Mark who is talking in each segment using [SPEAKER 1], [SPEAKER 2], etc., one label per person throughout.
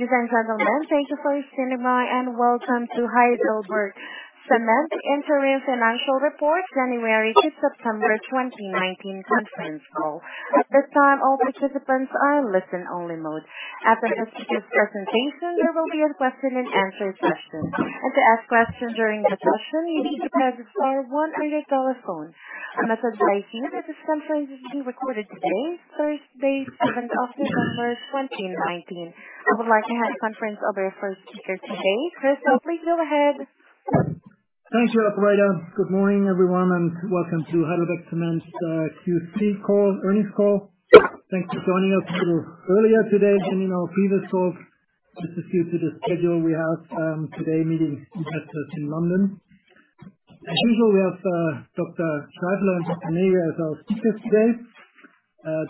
[SPEAKER 1] Ladies and gentlemen, thank you for your attention and welcome to HeidelbergCement Interim Financial Report January to September 2019 conference call. At this time, all participants are in listen only mode. After the speaker's presentation, there will be a question and answer session. To ask questions during the session, you should press star one on your telephone. I must advise you that this conference is being recorded today, Thursday, seventh of November 2019. I would like to hand the conference over to our first speaker today, Chris. Please go ahead.
[SPEAKER 2] Thanks, operator. Good morning, everyone, and welcome to Heidelberg Materials Q3 earnings call. Thanks for joining us a little earlier today than in our previous calls just due to the schedule we have today meeting investors in London. As usual, we have Dr. Scheifele and Dr. Näger as our speakers today.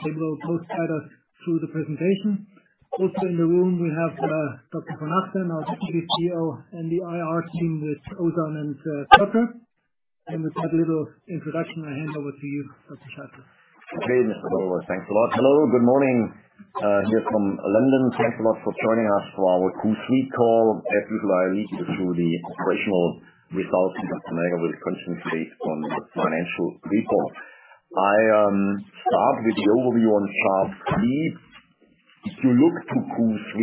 [SPEAKER 2] They will both guide us through the presentation. Also in the room, we have Dr. von Achten, our Deputy CEO, and the IR team with Ozan and Parker. With that little introduction, I hand over to you, Dr. Scheifele.
[SPEAKER 3] Okay. Thanks a lot. Hello, good morning here from London. Thanks a lot for joining us for our Q3 call. As usual, I lead you through the operational results, and Dr. Näger will concentrate on the financial report. I start with the overview on chart three. If you look to Q3,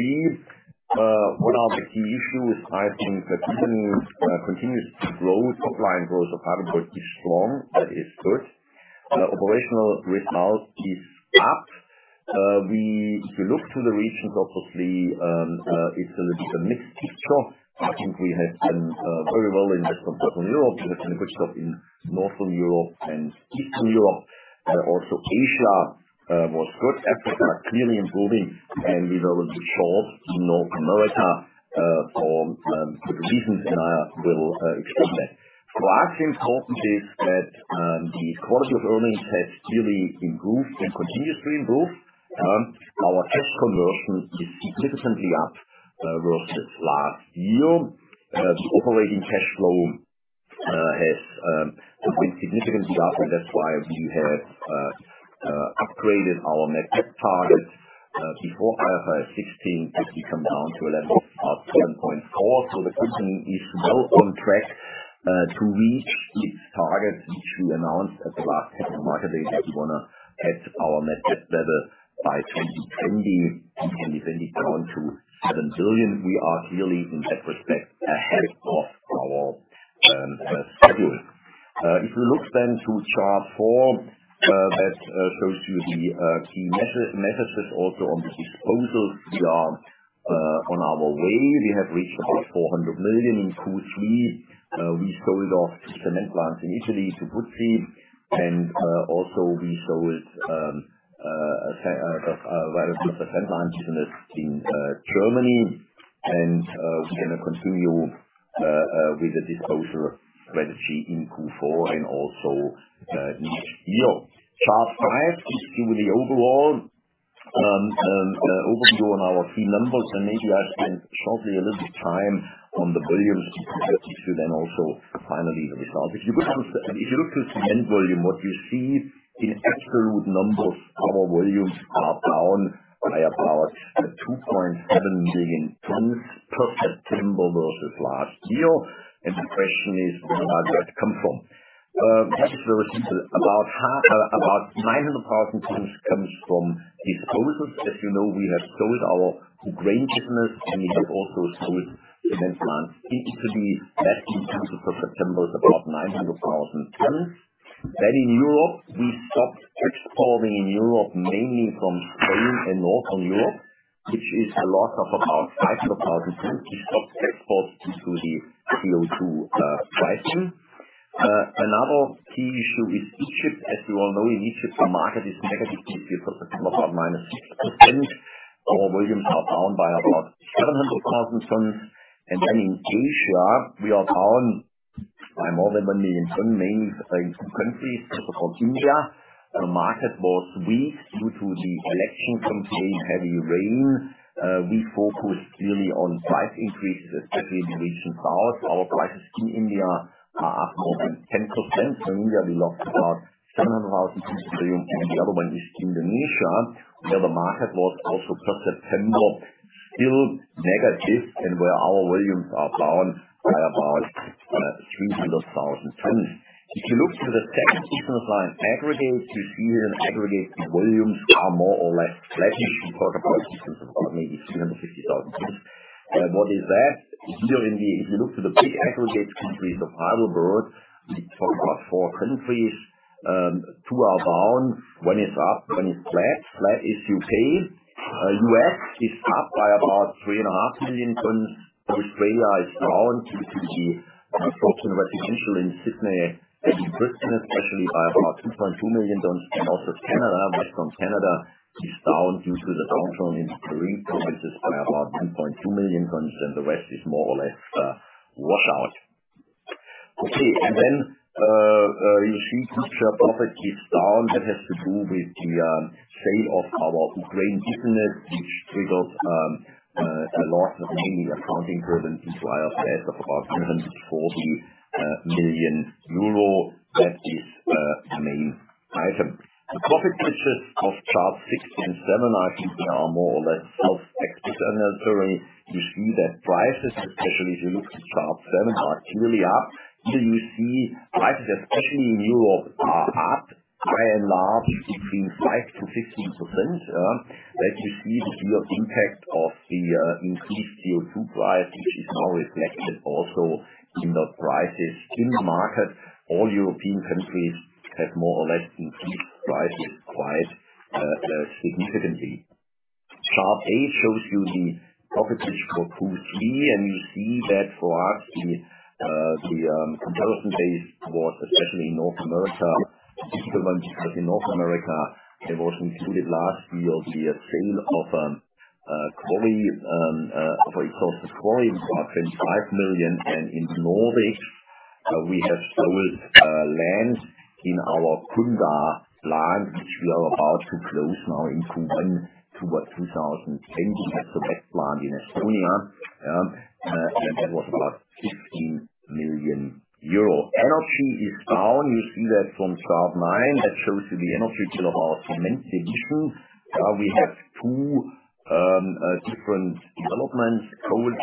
[SPEAKER 3] what are the key issues? I think that business continues to grow. Top line growth of Heidelberg is strong. That is good. Operational result is up. If you look to the regions, obviously, it's a little bit of a mixed picture. I think we have done very well in Western Europe. You have seen the good stuff in Northern Europe and Eastern Europe. Also Asia was good. Africa, clearly improving. We know the short in North America for good reasons. I will explain that. For us, important is that the quality of earnings has clearly improved and continues to improve. Our cash conversion is significantly up versus last year. The operating cash flow has been significantly up, that's why we have upgraded our net debt target. Before, it was 16, it will come down to a level of 10.4. The company is well on track to reach its target, which we announced at the last Capital Market Date. We want to hit our net debt level by 2020, between 2020 going to 7 billion. We are clearly, in that respect, ahead of our schedule. If you look then to chart four, that shows you the key messages. On the disposals, we are on our way. We have reached about EUR 400 million in Q3. We sold off cement plants in Italy to Buzzi, and also we sold various cement plants in Germany. We are going to continue with the disposal strategy in Q4 and also next year. Chart five gives you the overall overview on our key numbers, and maybe I spend shortly a little bit time on the volumes to then also finally the results. If you look to cement volume, what we see in absolute numbers, our volumes are down by about 2.7 million tons for September versus last year. The question is, where does that come from? Perhaps the reasons. About 900,000 tons comes from disposals. As you know, we have sold our grain business, and we have also sold cement plants. It should be that in terms of September is about 900,000 tons. In Europe, we stopped exporting in Europe, mainly from Spain and Northern Europe, which is a loss of about 500,000 tons. We stopped exports due to the CO2 pricing. Another key issue is Egypt. As you all know, in Egypt, our market is negative this year for September, about minus 6%. Our volumes are down by about 700,000 tons. In Asia, we are down by more than 1 million ton, mainly in two countries. First of all, India, the market was weak due to the election campaign, heavy rain. We focused really on price increase, especially in the region south. Our prices in India are up more than 10%. India, we lost about 700,000 tons volume, and the other one is Indonesia, where the market was also for September, still negative, and where our volumes are down by about 300,000 tons. If you look to the second business line, aggregates, you see that in aggregate volumes are more or less flattish in total systems of maybe 350,000 tons. What is that? If you look to the big aggregate countries of Heidelberg, we talk about four countries. Two are down, one is up, one is flat. Flat is U.K. U.S. is up by about 3.5 million tons. Australia is down due to the drop in residential in Sydney and in Brisbane, especially by about 2.2 million tons. Also Canada. West from Canada is down due to the downturn in three provinces by about 2.2 million tons. The rest is more or less a washout. You see future profit is down. That has to do with the sale of our Ukraine business, which triggered a loss, mainly accounting-driven, due to IFRS of about 240 million euro. That is the main item. The profit pictures of charts six and seven, I think, are more or less self-explanatory. You see that prices, especially if you look at chart seven, are clearly up. Here you see prices, especially in Europe, are up by and large between 5% to 15%. There you see the real impact of the increased CO2 price, which is now reflected also in the prices in the market. All European countries have more or less increased prices quite significantly. Chart eight shows you the profit picture for QG. You see that for us, the comparison base was especially in North America difficult, because in North America it was included last year the sale of a quarry for about 25 million. In the Nordics, we have sold land in our Kunda plant, which we are about to close now in Q1 toward 2020. That's the best plant in Estonia. That was about 15 million euros. Energy is down. You see that from Chart nine. That shows you the energy mix of our cement division, where we have two different developments. Coal and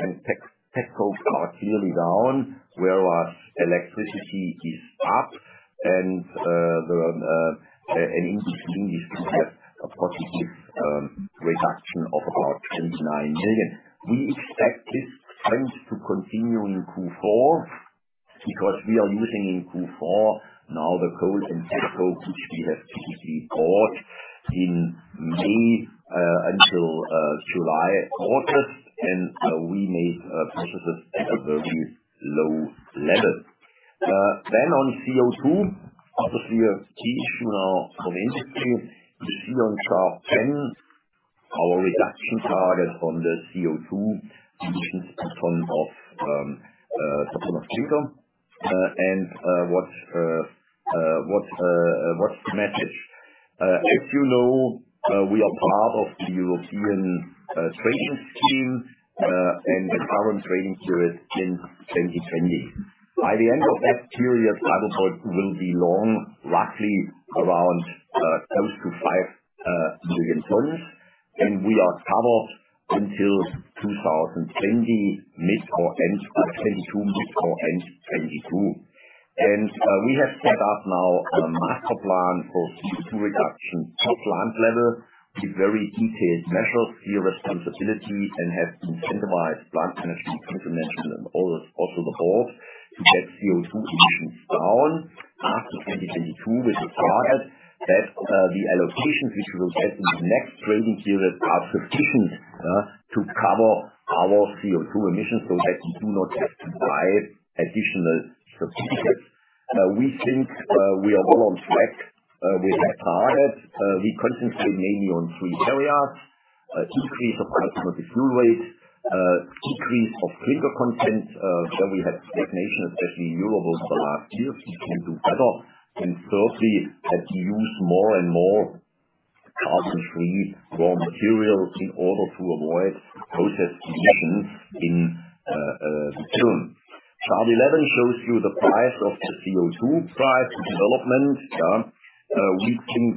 [SPEAKER 3] petrol are clearly down, whereas electricity is up. Interestingly, we see a positive reduction of about 29 million. We expect this trend to continue in Q4, because we are using in Q4 now the coal and petrol, which we have typically bought in May until July, August, and we made purchases at a very low level. On CO2, obviously, a key issue now for the industry. You see on chart 10 our reduction target on the CO2 emissions in terms of tons of CO2 and what's the message. If you know, we are part of the European trading scheme, and the current trading period ends 2020. By the end of that period, Heidelberg will be long, roughly around close to 5 million tons, and we are covered until mid or end 2022. We have set up now a master plan for CO2 reduction at plant level with very detailed measures, clear responsibility, and have incentivized plant management incrementally and also the board to get CO2 emissions down after 2022 with the target that the allocations which we will get in the next trading period are sufficient to cover our CO2 emissions so that we do not have to buy additional certificates. We think we are well on track with that target. We concentrate mainly on three areas. Decrease of specific fuel rate, decrease of clinker content. There we had stagnation, especially in Europe, over the last years. We can do better. Thirdly, that we use more and more carbon-free raw material in order to avoid process emissions in the kiln. Chart 11 shows you the price of the CO2 price development. We think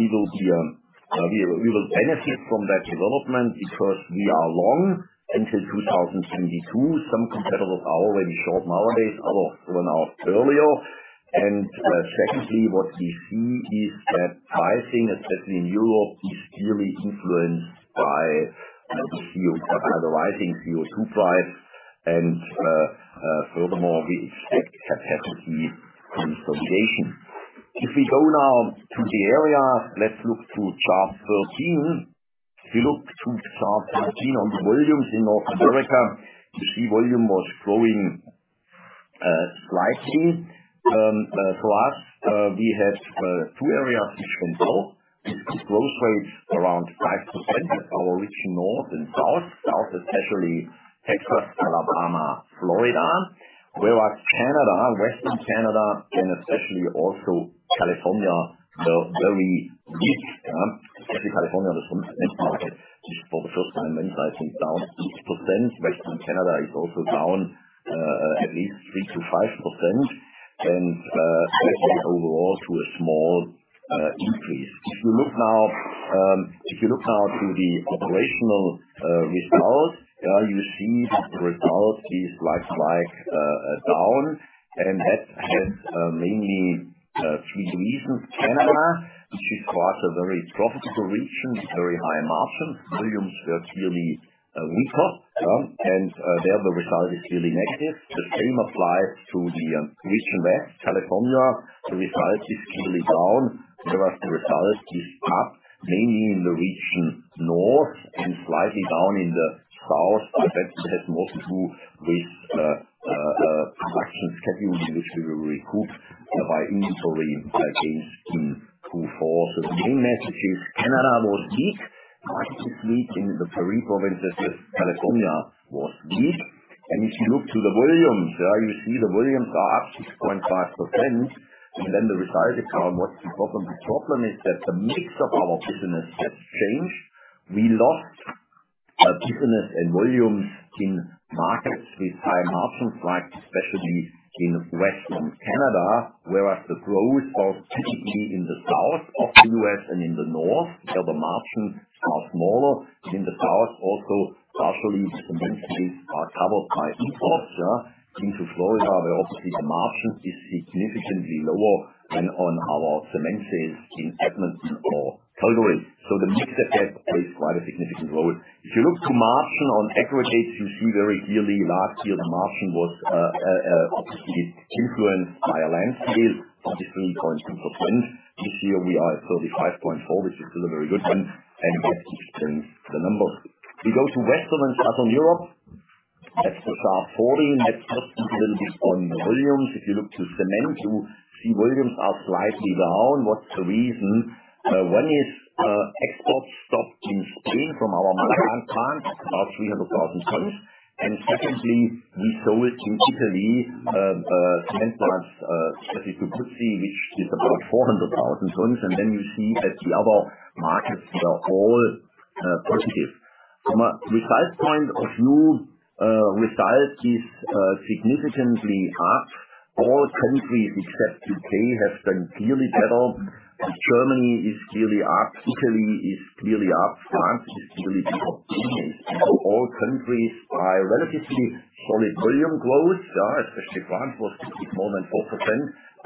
[SPEAKER 3] we will benefit from that development because we are long until 2022. Some competitors are already short nowadays, others were now earlier. Secondly, what we see is that pricing, especially in Europe, is clearly influenced by the rising CO2 price. Furthermore, we expect capacity consolidation. If we go now to the area, let's look to chart 13. If you look to chart 13 on the volumes in North America, you see volume was growing slightly. For us, we had two areas which went low. Growth rate around 5%, our region North and South. South especially Texas, Alabama, Florida. Canada, Western Canada, and especially also California, were very weak. Especially California, which is an important market, for the first time in size went down 6%. Western Canada is also down at least 3%-5%, and especially overall to a small increase. If you look now to the operational result, you see the result is slightly down, and that has mainly a few reasons. Canada, which is for us a very profitable region with very high margins, volumes were clearly weaker, and there the result is clearly negative. The same applies to the region West. California, the result is clearly down, whereas the result is up mainly in the region North and slightly down in the South. That has more to do with production scheduling, which we will recoup by inventory gains in Q4. The main message is Canada was weak, particularly in the prairie provinces. California was weak. If you look to the volumes there, you see the volumes are up 6.5%, and then the result is down. What's the problem? The problem is that the mix of our business has changed. We lost our business and volumes in markets with high margins, like especially in Western Canada, whereas the growth was typically in the South of the U.S. and in the North, where the margins are smaller. In the South, also partially the cement sales are covered by imports into Florida, where obviously the margin is significantly lower than on our cement sales in Edmonton or Calgary. The mix effect plays quite a significant role. If you look to margin on aggregate, you see very clearly last year the margin was obviously influenced by a land sale, 17.2%. This year we are 35.4%, which is still a very good one, that explains the numbers. If we go to Western and Southern Europe, let's start falling. That's just even between the volumes. If you look to cement, you see volumes are slightly down. What's the reason? One is export stopped in Spain from our Málaga plant, about 300,000 tons. Secondly, we sold in Italy a cement plant, [Ceccopizzi], which is about 400,000 tons. We see that the other markets that are all positive. From a results point of view, results is significantly up. All countries except U.K. have done clearly better. Germany is clearly up. Italy is clearly up. France is clearly up. All countries are relatively solid volume growth, especially France was 50 more than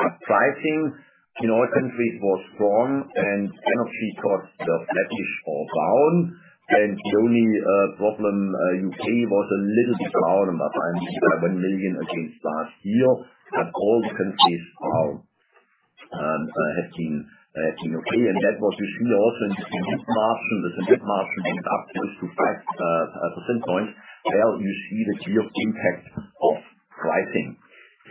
[SPEAKER 3] 4%. Pricing in all countries was strong and energy costs were flattish or down. The only problem, U.K. was a little bit down, about 95 million against last year. All countries have been okay. That what you see also in the cement margin. The cement margin went up close to 5% point. There you see the clear impact of pricing.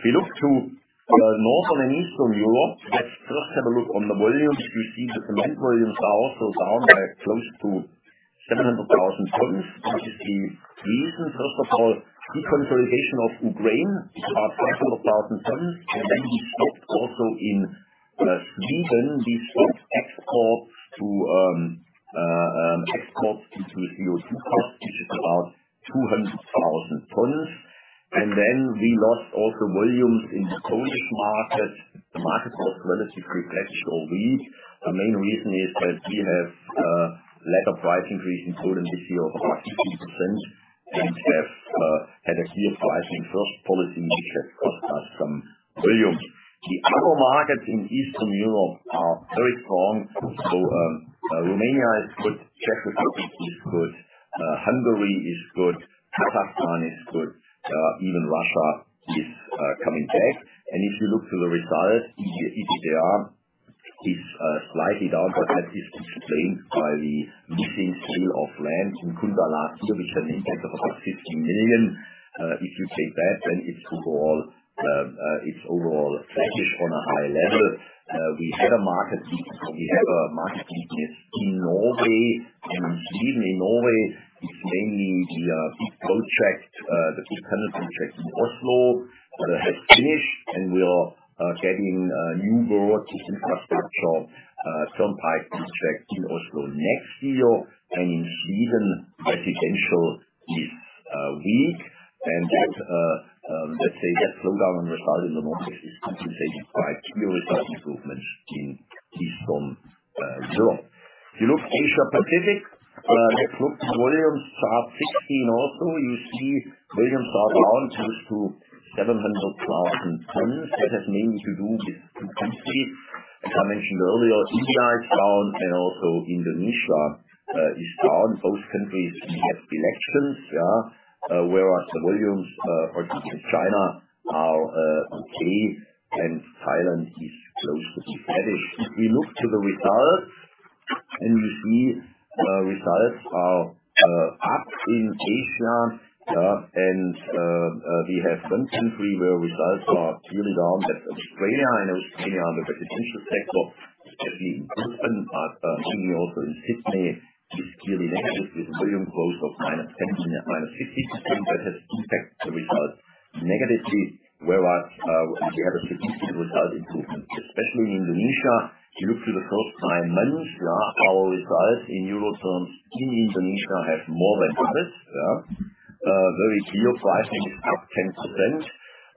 [SPEAKER 3] If you look to Northern and Eastern Europe, let's first have a look on the volumes. We see the cement volumes are also down by close to 700,000 tons. What is the reason? First of all, deconsolidation of Ukraine, about 200,000 tons. We stopped also in Sweden, we stopped exports due to CO2 costs, which is about 200,000 tons. We lost also volumes in the Polish market. The market was relatively flat or weak. The main reason is that we have a later price increase in Poland this year of about 15% and have had a clear pricing first policy measure cost us some volume. The other markets in Eastern Europe are very strong. Romania is good, Czech Republic is good, Hungary is good, Kazakhstan is good, even Russia is coming back. If you look to the results, EBITDA is slightly down, that is explained by the missing sale of land in Kunda last year, which had an impact of about EUR 50 million. If you take that, then it's overall flattish on a high level. We have a market weakness in Norway and Sweden. In Norway, it's mainly the big contract, the big tunnel contract in Oslo that has finished, and we are getting a new road infrastructure, stone pipe contract in Oslo next year. In Sweden, residential is weak and that slow down on the side in the market is compensating quite clear result improvements in Eastern Europe. If you look Asia Pacific, let's look volumes are 16 also. You see volumes are down close to 700,000 tons. That has mainly to do with capacity. As I mentioned earlier, India is down and also Indonesia is down. The volumes for China are okay and Thailand is close to be flattish. If we look to the results and we see results are up in Asia. We have one country where results are clearly down. That's Australia. In Australia, the residential sector, especially in Brisbane, but mainly also in Sydney, is clearly negative with volume growth of -17%, -15%. That has impact the results negatively, whereas we have a significant result improvement, especially in Indonesia. If you look to the first nine months, our results in EUR terms in Indonesia have more than doubled. Very clear pricing is up 10%.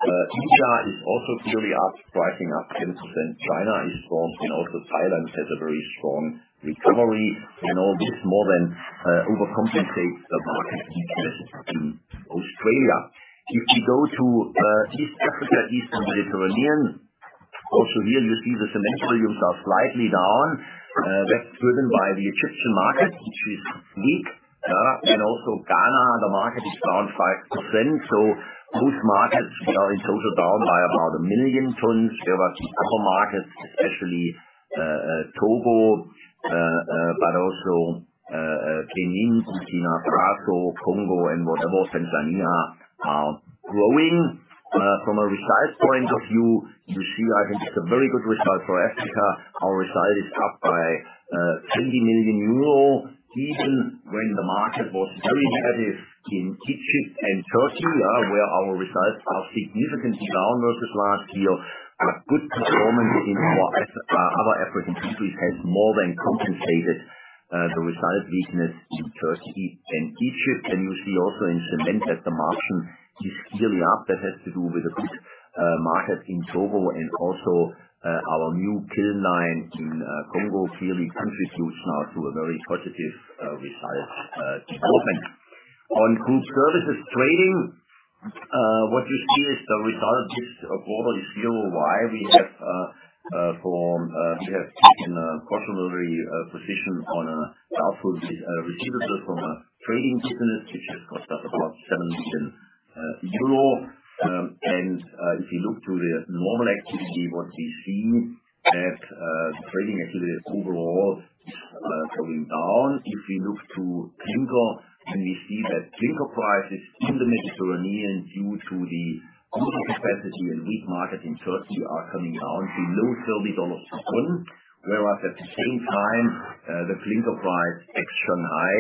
[SPEAKER 3] India is also clearly up, pricing up 10%. China is strong and also Thailand has a very strong recovery and all this more than overcompensates the market weakness in Australia. If we go to East Africa, Eastern Mediterranean, also here you see the cement volumes are slightly down. That's driven by the Egyptian market, which is weak. Also Ghana, the market is down 5%. Those markets are in total down by about 1 million tons. Whereas the other markets, especially Togo, but also Benin, Burkina Faso, Congo, and whatever Tanzania are good, growing. From a result point of view, you see, I think it's a very good result for Africa. Our result is up by 20 million euro, even when the market was very negative in Egypt and Turkey, where our results are significantly down versus last year. A good performance in our other African countries has more than compensated the result weakness in Turkey and Egypt. You see also in cement that the margin is clearly up. That has to do with a good market in Togo and also our new kiln line in Congo clearly contributes now to a very positive result development. On group services trading, what you see is the result is broadly zero. Why? We have taken a precautionary position on a doubtful receivable from a trading business, which has cost us about 7 million euro. If you look to the normal activity, what we see, that trading activity is overall going down. If we look to clinker, and we see that clinker prices in the Mediterranean, due to the overcapacity and weak market in Turkey, are coming down to low EUR 30 a ton. Whereas at the same time, the clinker price ex Shanghai,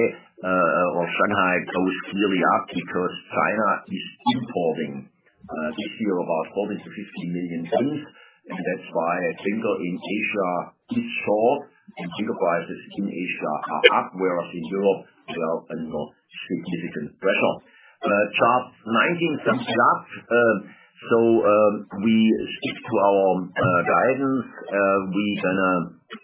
[SPEAKER 3] or Shanghai, goes clearly up because China is importing this year about 14 million tons-15 million tons. That's why clinker in Asia is short and clinker prices in Asia are up, whereas in Europe they are under significant pressure. Chart 19 sums it up. We stick to our guidance. We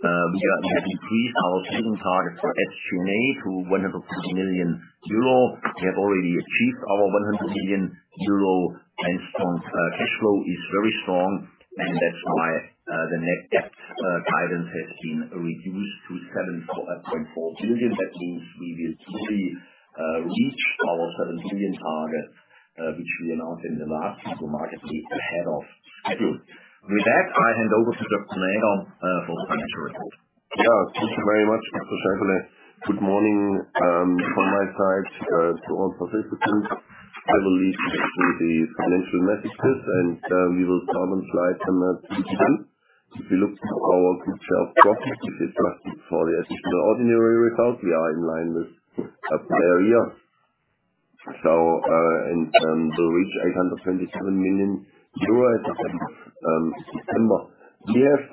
[SPEAKER 3] are happily pleased. Our saving target for H1 to 150 million euro. We have already achieved our 100 million euro, strong cash flow is very strong, and that's why the net debt guidance has been reduced to 7.4 billion. That means we will fully reach our 7 billion target, which we announced in the last capital markets day ahead of schedule. With that, I hand over to Dr. Näger for financial report.
[SPEAKER 4] Thank you very much, Dr. Scheifele. Good morning from my side to all participants. I will lead you through the financial messages, and we will cover slide 10 too. If you look to our group self profit, if you adjusted for the additional ordinary result, we are in line with the prior year. We will reach EUR 827 million in September. We have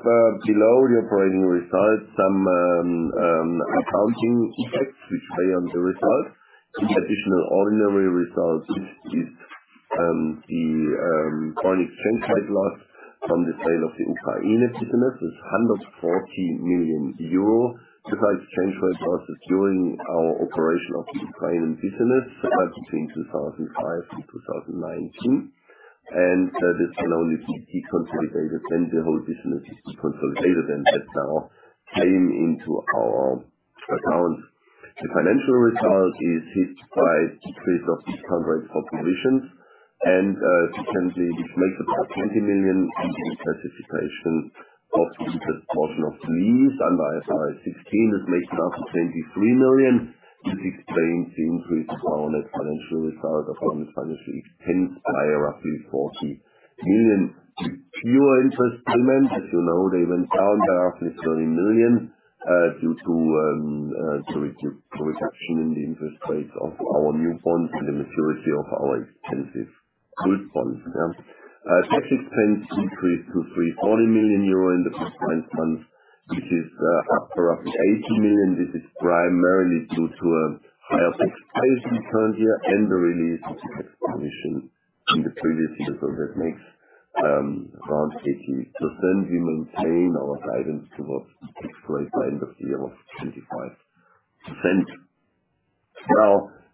[SPEAKER 4] below the operating results some accounting effects, which play on the results. The additional ordinary result, which is the foreign exchange rate loss from the sale of the Ukraine business, is 140 million euro. Besides exchange rate losses during our operation of the Ukraine business between 2005 and 2019. This can only be deconsolidated when the whole business is deconsolidated, and that's now playing into our accounts. The financial result is hit by decrease of discount rates for provisions and potentially which makes up our EUR 20 million in reclassification of the interest portion of lease under IFRS 16. That makes up 23 million. This explains the increase on our financial result upon this financial expense by roughly 40 million. Fewer interest payments. As you know, they went down by roughly 30 million due to a reduction in the interest rates of our new bonds and the maturity of our expensive group bonds. Tax expense increased to 340 million euro in the first nine months, which is up roughly 80 million. This is primarily due to a higher tax base in current year and the release of tax provision in the previous years. That makes around 80. We maintain our guidance towards tax rate by end of the year of 25%.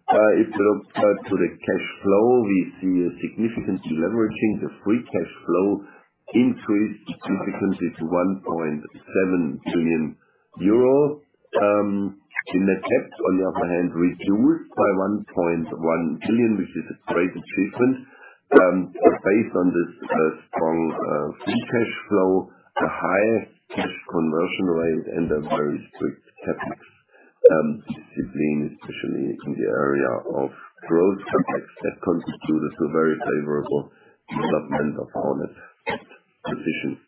[SPEAKER 4] If you look to the cash flow, we see a significant deleveraging. The free cash flow increased significantly to 1.7 billion euro. Net debt on the other hand reduced by 1.1 billion, which is a great achievement. Based on this strong free cash flow, a higher cash conversion rate and a very strict CapEx discipline, especially in the area of growth CapEx, that constituted a very favorable development of our net debt position.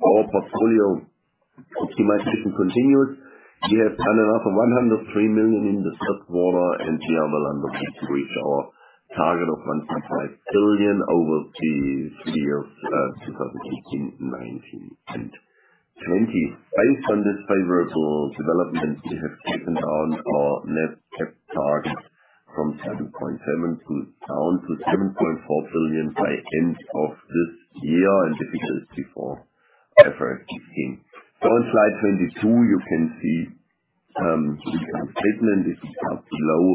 [SPEAKER 4] Our portfolio optimization continues. We have done another 103 million in the third quarter, we are well on the way to reach our target of 1.5 billion over the three years 2018, 2019, and 2020. Based on this favorable development, we have taken down our net debt target from 7.7 billion down to 7.4 billion by end of this year, this is before IFRS 16. On slide 22, you can see the income statement. This is up low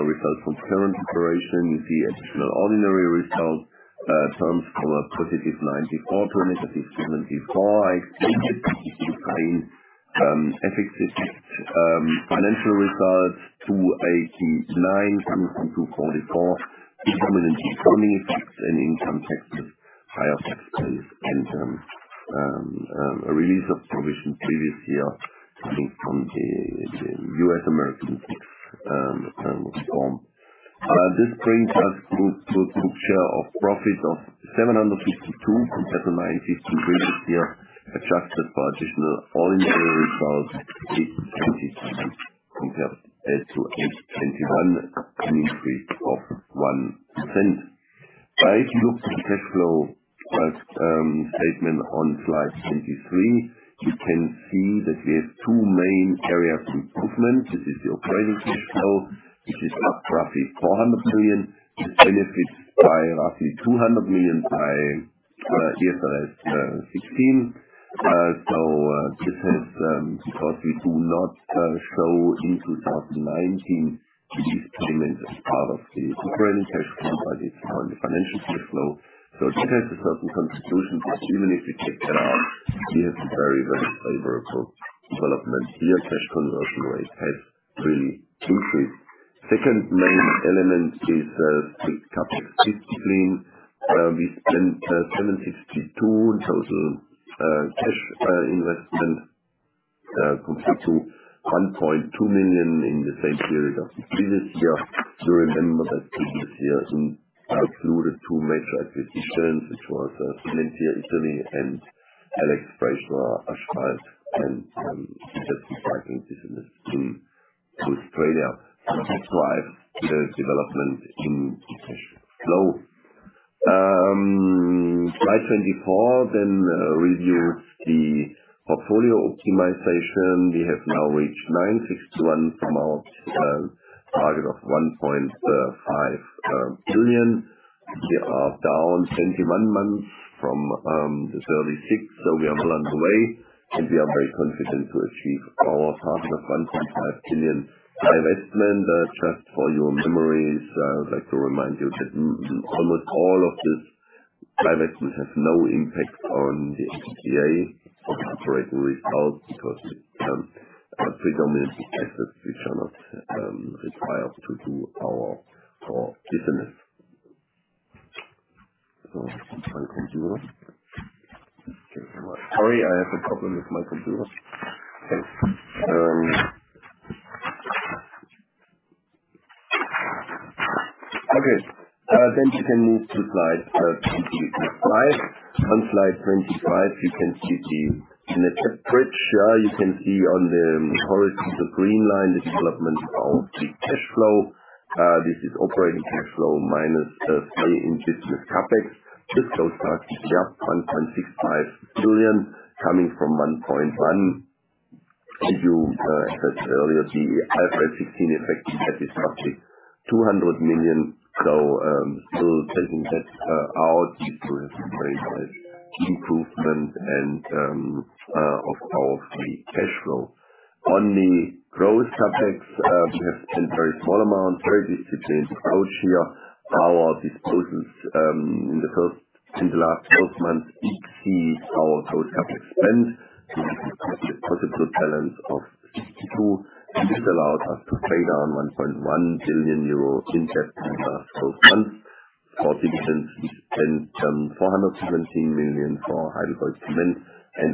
[SPEAKER 4] result from current operation. You see additional ordinary result terms from a positive 94 to a negative 74. Identical effects. Financial results, 289 coming from 244. Dominant deconsolidation effects and income tax effect. Higher sectors in terms. A release of provision previous year, I think from the U.S. American, term form. This brings us group to book share of profit of 752 compared to 953 this year, adjusted for additional ordinary results, 822 compared to 821, an increase of 1%. If you look at the cash flow statement on slide 23, you can see that we have two main areas of improvement. This is the operating cash flow, which is up roughly 400 million. This benefits by roughly 200 million by IFRS 16. This is because we do not show in 2019 these payments as part of the operating cash flow, but it's now in the financial cash flow. That has a certain contribution, but even if you take that out, we have a very, very favorable development. Year cash conversion rate has really increased. Second main element is the capital. 2016, we spent 752,000 cash investment compared to 1.2 million in the same period of the previous year. You remember that previous year included two major acquisitions, which was Cementir Italia and Alex Fraser, a asphalt and construction business in Australia. That's why the development in the cash flow. Slide 24 reviews the portfolio optimization. We have now reached 961 from our target of 1.5 billion. We are down 21 months from the 36th, we are well on the way, and we are very confident to achieve our target of 1.5 billion by next lender. Just for your memories, I'd like to remind you that almost all of this actually has no impact on the EBITDA operating results because it's predominantly assets which are not required to do our business. My computer Sorry, I have a problem with my computer. Okay. We can move to slide 25. On slide 25, you can see the net debt bridge. You can see on the horizon, the green line, the development of the cash flow. This is operating cash flow minus spending in business CapEx. This goes up, yeah, 1.65 billion coming from 1.1 billion. As you assessed earlier, the IFRS 16 effect had this roughly 200 million. Still taking that out, you will have a very nice improvement and of our free cash flow. On the growth CapEx, we have spent very small amounts, very disciplined out here. Our disposals in the last 12 months exceeds our total CapEx spend. This is a positive balance of 62, and this allowed us to pay down 1.1 billion euro in debt in the first month for dividends and 417 million for HeidelbergCement and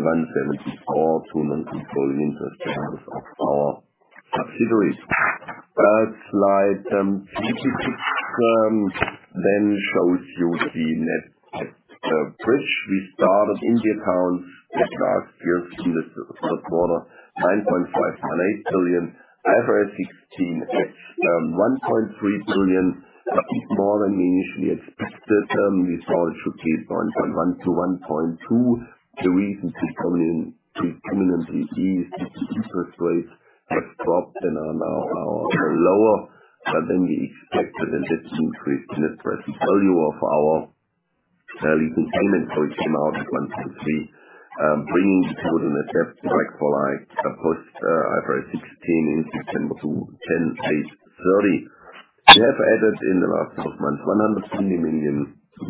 [SPEAKER 4] 174 to control interest payments of our subsidiaries. Slide 26 shows you the net debt bridge. We started in the account with last year in the first quarter, 9.518 billion. IFRS 16, 1.3 billion, slightly more than we initially expected. We thought it should be 1.1-1.2. The reason to predominantly is interest rates have dropped and are now lower, we activated an increased net present value of our lease entitlement, it came out at 1.3 billion, bringing the total net debt like-for-like post IFRS 16 in September to 10.30 billion. We have added in the last 12 months 120 million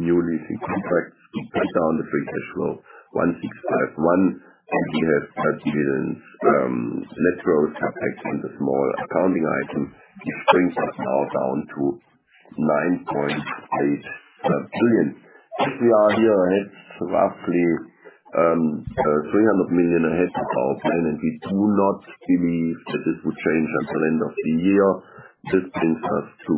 [SPEAKER 4] new leasing contracts to bring down the free cash flow 1,651, we have dividends, net proceeds, CapEx and the small accounting item, which brings us now down to 9.8 billion. If we are here ahead, roughly 300 million ahead of our plan, we do not believe that this will change until end of the year. This brings us to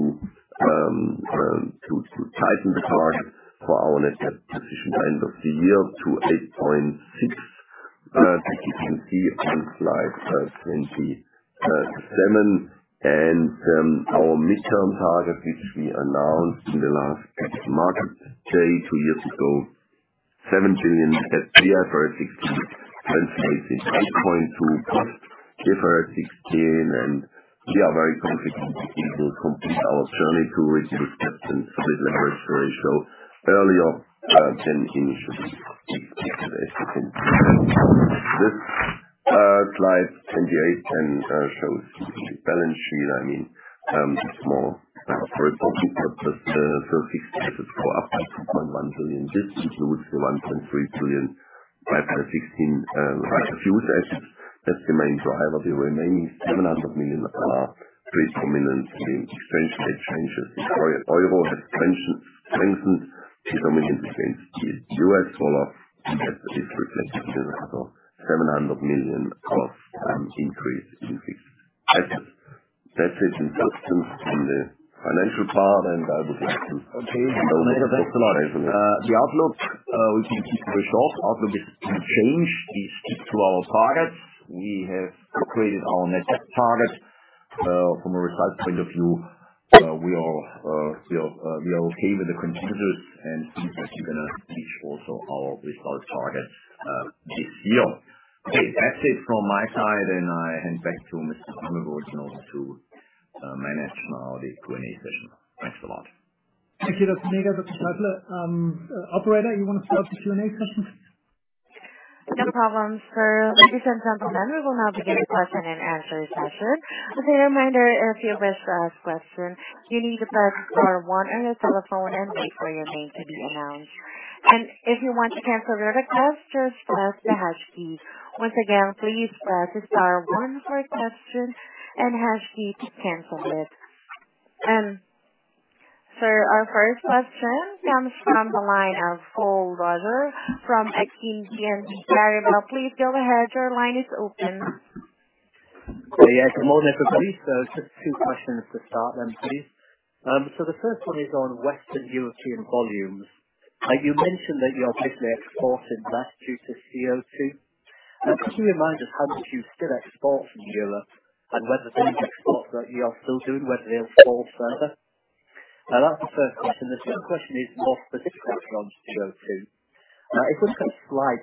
[SPEAKER 4] tighten the target for our net debt position end of the year to EUR 8.6, as you can see on slide 27. Our midterm target, which we announced in the last capital market day two years ago, 7 billion at the IFRS 16 translation, 8.2 post IFRS 16. We are very confident we will complete our journey to reach this target and solid leverage ratio earlier than initially expected, as you can see. Slide 28 then shows the balance sheet. I mean, it's more straightforward. We got the 3,016 assets go up by EUR 2.1 billion. This includes the EUR 1.3 billion out of 16 large lease assets that remains. However, the remaining 700 million are pretty permanently exchange rate changes. Overall, it strengthened its dominance against the U.S. dollar. That is reflected in another $700 million of increase in fixed assets. That's it in terms from the financial part. I would like to-
[SPEAKER 3] Okay. Thanks a lot. The outlook will be keep very short. Also, we can change these tips to our targets. We have upgraded our net debt target. From a result point of view, we are okay with the contributors, and we are going to keep also our results target this year. Okay. That's it from my side, and I hand back to Mr. Heidelberg in order to manage now the Q&A session. Thanks a lot.
[SPEAKER 2] Thank you. That's Näger. That's a pleasure. Operator, you want to start the Q&A session?
[SPEAKER 1] No problems. Ladies and gentlemen, we will now begin the question and answer session. As a reminder, if you wish to ask questions, you need to press star 1 on your telephone and wait for your name to be announced. If you want to cancel your request, just press the hash key. Once again, please press star 1 for a question and hash key to cancel it. Our first question comes from the line of Paul Roger from Exane BNP Paribas. Please go ahead. Your line is open.
[SPEAKER 5] Yes. Good morning, everybody. Just two questions to start, please. The first one is on Western European volumes. You mentioned that you are basically exporting less due to CO2. Could you remind us how much you still export from Europe and whether those exports that you are still doing, whether they'll fall further? That's the first question. The second question is more specifically on CO2. If we look at slide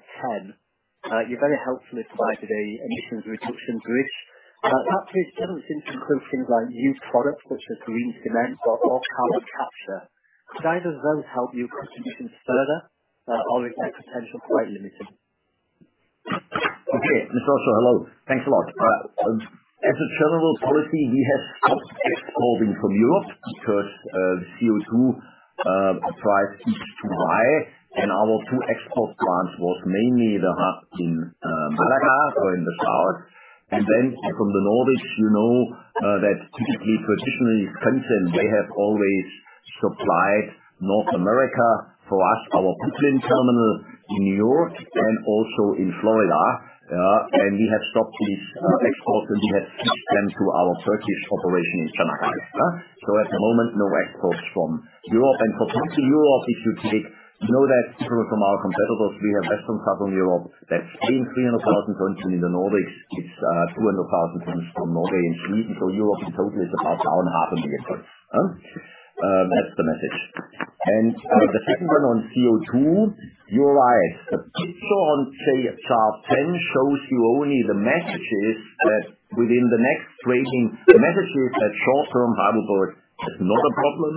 [SPEAKER 5] 10, you very helpfully provided a emissions reduction bridge. That bridge doesn't seem to include things like new products such as green cement or carbon capture. Could either of those help you contribute further or is their potential quite limited?
[SPEAKER 3] Also, hello. Thanks a lot. As a general policy, we have stopped exporting from Europe because the CO2 price is too high, and our two export plants was mainly the hub in Málaga, so in the south. Then from the Nordics, you know that typically traditionally, Cementa, they have always supplied North America for us, our pipeline terminal in New York and also in Florida. We have stopped these exports, and we have switched them to our Turkish operation in Canakkale. At the moment, no exports from Europe. For Western Europe, you know that from our competitors, we have Western Southern Europe, that's same 300,000 tons. In the Nordics, it's 200,000 tons from Norway and Sweden. Europe in total is about 4.5 million tons. That's the message. The second one on CO2, you're right. The picture on, say, chart 10 shows you only the messages that short term, Heidelberg, it's not a problem.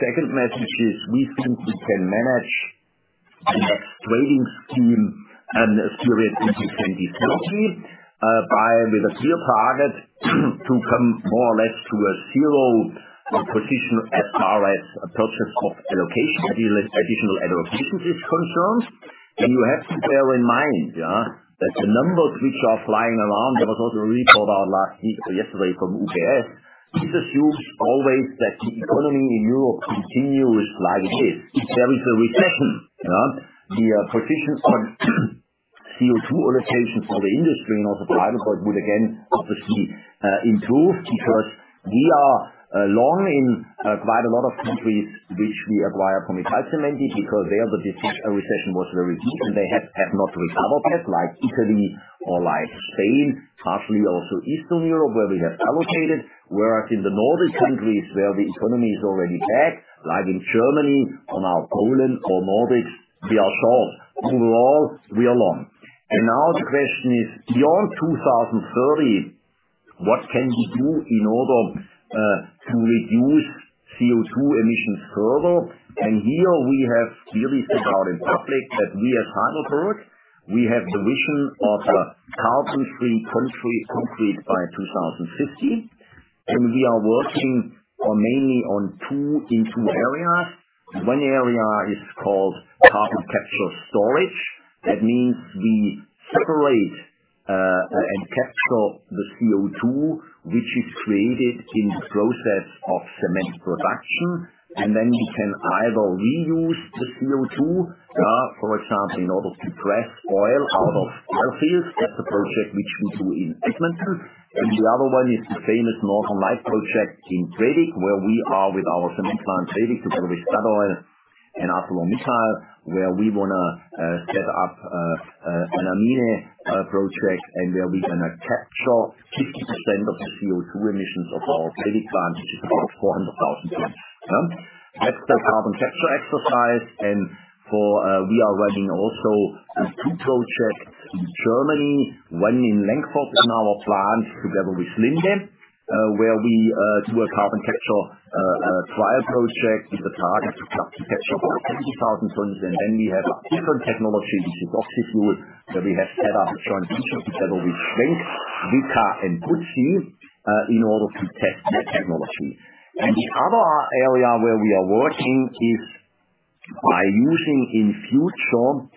[SPEAKER 3] Second message is we think we can manage the next trading scheme and series into 2030, with a clear target to come more or less to a zero position as far as purchase allocation, additional allocations is concerned. You have to bear in mind that the numbers which are flying around, there was also a report out last week or yesterday from UBS, it assumes always that the economy in Europe continues like it is. If there is a recession, the positions on CO2 allocations for the industry, not for Heidelberg, would again obviously improve because we are long in quite a lot of countries which we acquire from Italcementi, because there the recession was very deep and they have not recovered yet, like Italy or like Spain, partially also Eastern Europe, where we have allocated. In the northern countries, where the economy is already back, like in Germany or now Poland or Nordics, we are short. Overall, we are long. Now the question is, beyond 2030, what can we do in order to reduce CO2 emissions further? Here we have clearly said out in public that we at Heidelberg, we have the vision of a carbon-free concrete by 2050. We are working mainly in two areas. One area is called carbon capture storage. That means we separate and capture the CO2 which is created in the process of cement production, and then we can either reuse the CO2, for example, in order to press oil out of oil fields. That's a project which we do in Switzerland. The other one is the famous Northern Lights project in Brevik, where we are with our cement plant trading together with Statoil and ArcelorMittal, where we want to set up an amine project and where we're going to capture 50% of the CO2 emissions of our trading plant, which is about 400,000 tons. That's the carbon capture exercise. We are running also two projects in Germany, one in [Lengfurt] in our plant together with Linde, where we do a carbon capture trial project with a target to capture about 80,000 tons. We have a different technology, which is oxyfuel, where we have set up a joint venture together with Schwenk, WIKA, and Gucci in order to test that technology. The other area where we are working is by using in future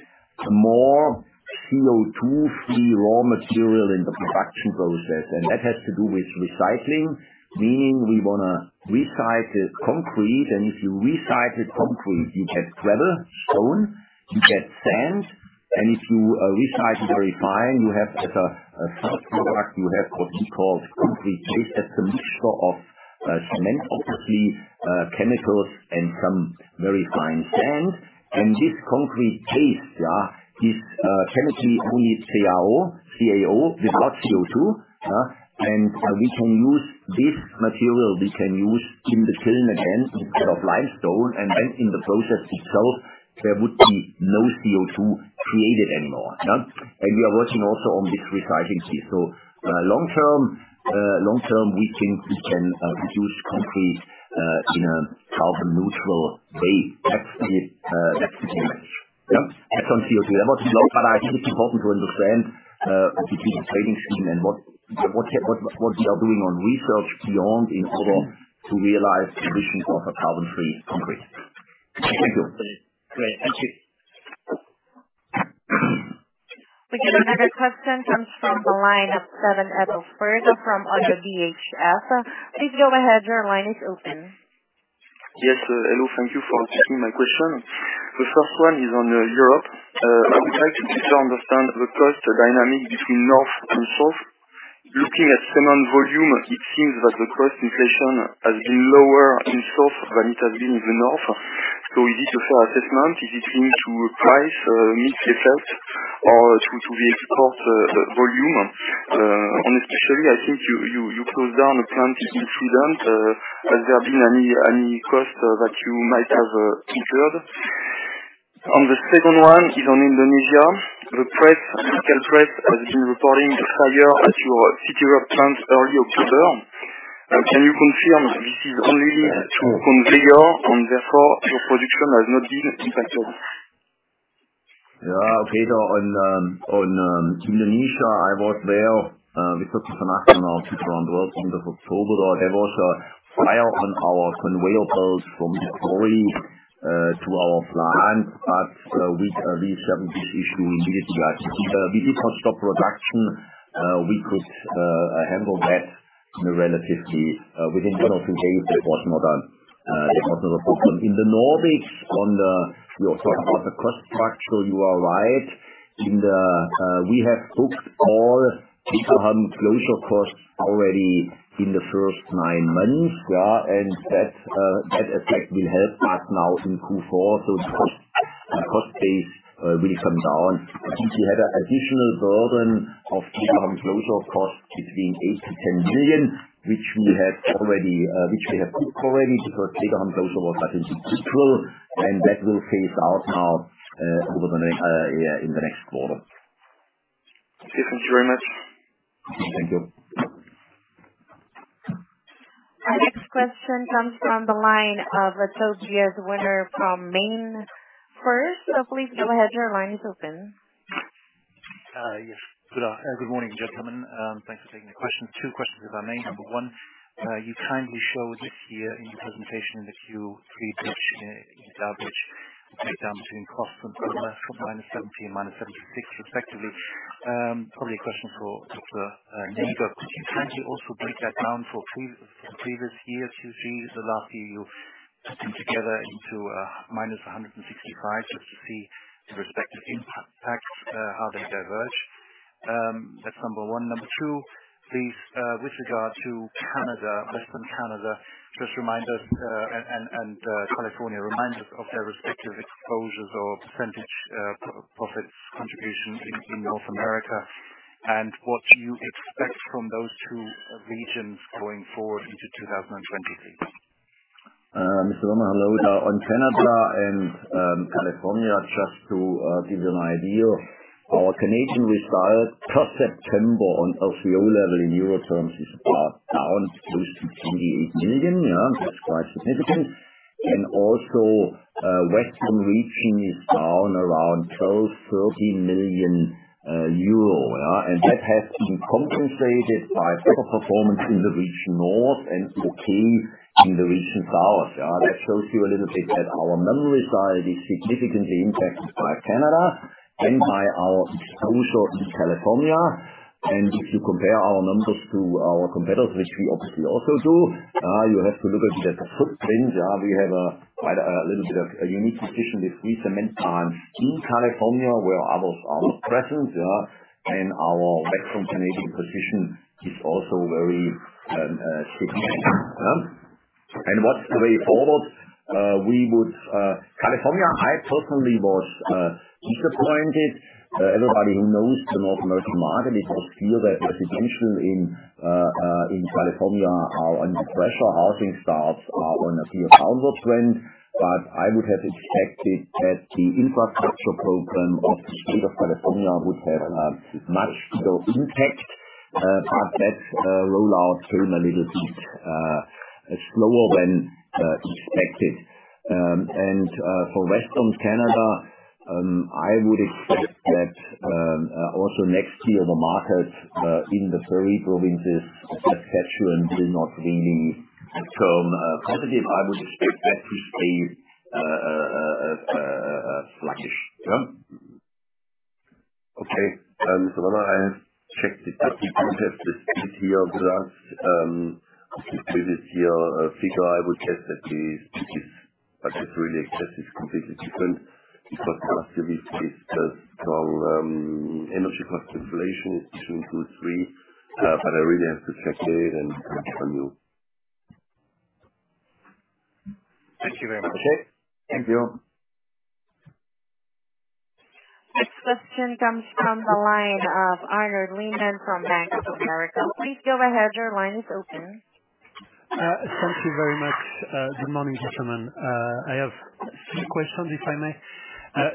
[SPEAKER 3] more CO2-free raw material in the production process. That has to do with recycling, meaning we want to recycle concrete, and if you recycle concrete, you get gravel, stone, you get sand, and if you recycle very fine, you have as a first product, you have what we call cement paste. That's a mixture of cement, obviously, chemicals, and some very fine sand. This cement paste, yeah, is chemically only CaO, with lot CO2. We can use this material, we can use in the kiln again instead of limestone, and then in the process itself, there would be no CO2 created anymore. We are working also on this recycling piece. Long-term, we think we can produce concrete in a carbon neutral way. That's the game. Yeah. At some CO2 level. I think it's important to understand, between the trading scheme and what we are doing on research beyond, in order to realize the vision of a carbon-free concrete.
[SPEAKER 5] Thank you.
[SPEAKER 6] Great. Thank you.
[SPEAKER 1] We get another question, comes from the line of Sven Edelfelt from Oddo BHF. Please go ahead, your line is open.
[SPEAKER 6] Yes. Hello. Thank you for taking my question. The first one is on Europe. I would like to better understand the cost dynamic between north and south. Looking at cement volume, it seems that the cost inflation has been lower in south than it has been in the north. Is this a fair assessment? Is it linked to price mix effect or to the export volume? Especially, I think you closed down a plant in Sweden. Has there been any cost that you might have incurred? On the second one is on Indonesia. The local press has been reporting a fire at your Citeureup plant early October. Can you confirm this is only to conveyor and therefore your production has not been impacted?
[SPEAKER 3] On Indonesia, I was there with Dr. Masano, October. There was a fire on our conveyor belt from the quarry to our plant. We solved this issue immediately. We did not stop production. We could handle that within one or two days. It was not a problem. In the North, you are talking about the cost structure. You are right. We have booked all Degerhamn closure costs already in the first nine months. That effect will help us now in Q4. The cost base will come down. I think we had an additional burden of Degerhamn closure of cost between 8 million-10 million, which we have booked already because Degerhamn closed about in April. That will phase out now in the next quarter.
[SPEAKER 6] Okay. Thank you very much.
[SPEAKER 3] Thank you.
[SPEAKER 1] Our next question comes from the line of Tobias Woerner from MainFirst. Please go ahead, your line is open.
[SPEAKER 7] Yes. Good morning, gentlemen. Thanks for taking the question. Two questions if I may. Number one, you kindly showed this year in your presentation in the Q3, which is average breakdown between costs and minus 70 and minus 76 respectively. Probably a question for Dr. Näger. Could you kindly also break that down for previous year, Q3? The last year you've put them together into a minus 165 just to see the respective impacts, how they diverge. That's number one. Number two, please, with regard to Canada, Western Canada, just remind us and California of their respective exposures or % profit contribution in North America and what you expect from those two regions going forward into 2023.
[SPEAKER 3] Mr. Woerner, hello. On Canada and California, just to give you an idea, our Canadian result per September on RCO level in EUR terms is down close to 28 million. Yeah. That's quite significant. Also, Western region is down around 12 million-13 million euro. Yeah. That has been compensated by better performance in the region North and okay in the region South. Yeah. That shows you a little bit that our number result is significantly impacted by Canada and by our exposure in California. If you compare our numbers to our competitors, which we obviously also do, you have to look at the footprint. Yeah. We have a little bit of a unique position with three cement plants in California where others are not present. Yeah. Our Western Canadian position is also very significant. Yeah. What's the way forward? California, I personally was disappointed. Everybody who knows the North American market, it was clear that residential in California are under pressure. Housing starts are on a few thousand trend. I would have expected that the infrastructure program of the State of California would have a much bigger impact. That rollout turned a little bit slower than expected. For Western Canada, I would expect that also next year, the market in the prairie provinces of Saskatchewan will not really turn positive. I would expect that to stay sluggish.
[SPEAKER 4] Yeah. Okay. I have checked it. I think we have the same here with us. With this year figure, I would guess that the business, I just really expect it's completely different because last year we faced a strong energy cost inflation in two, three, but I really have to check it and come back to you.
[SPEAKER 7] Thank you very much.
[SPEAKER 4] Okay. Thank you.
[SPEAKER 1] Next question comes from the line of Arnaud Lehmann from Bank of America. Please go ahead. Your line is open.
[SPEAKER 8] Thank you very much. Good morning, gentlemen. I have three questions, if I may.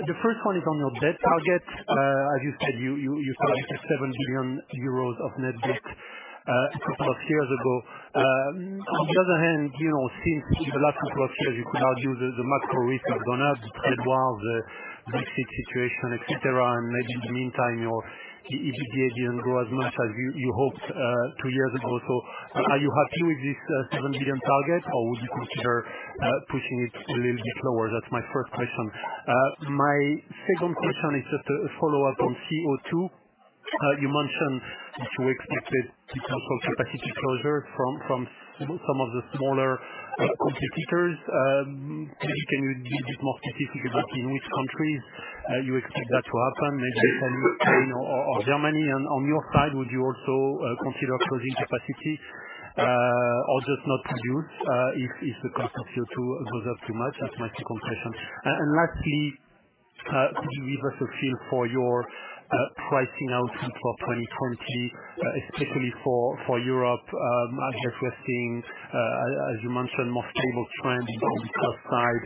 [SPEAKER 8] The first one is on your debt target. As you said, you targeted 7 billion euros of net debt a couple of years ago. On the other hand, since the last couple of years, you could argue the macro risks have gone up. You had war, the Brexit situation, et cetera, and maybe in the meantime, your EBITDA didn't grow as much as you hoped two years ago. Are you happy with this 7 billion target or would you consider pushing it a little bit lower? That's my first question. My second question is just a follow-up on CO2. You mentioned that you expected some capacity closure from some of the smaller competitors. Maybe can you be a bit more specific about in which countries you expect that to happen? Maybe Spain or Germany. On your side, would you also consider closing capacity or just not produce if the cost of CO2 goes up too much? That's my second question. Lastly, could you give us a feel for your pricing outlook for 2023, especially for Europe? I have seen, as you mentioned, more stable trends on the cost side.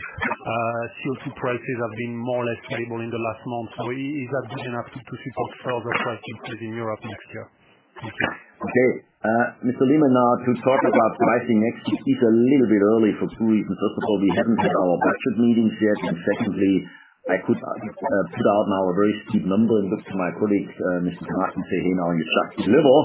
[SPEAKER 8] CO2 prices have been more or less stable in the last month. Is that good enough to support further price increases in Europe next year? Thank you.
[SPEAKER 3] Okay. Mr. Lehmann, to talk about pricing next is a little bit early for two reasons. First of all, we haven't had our budget meetings yet. Secondly, I could put out now a very steep number and look to my colleague, Mr. Karnath, and say, "Hey, now you have to deliver."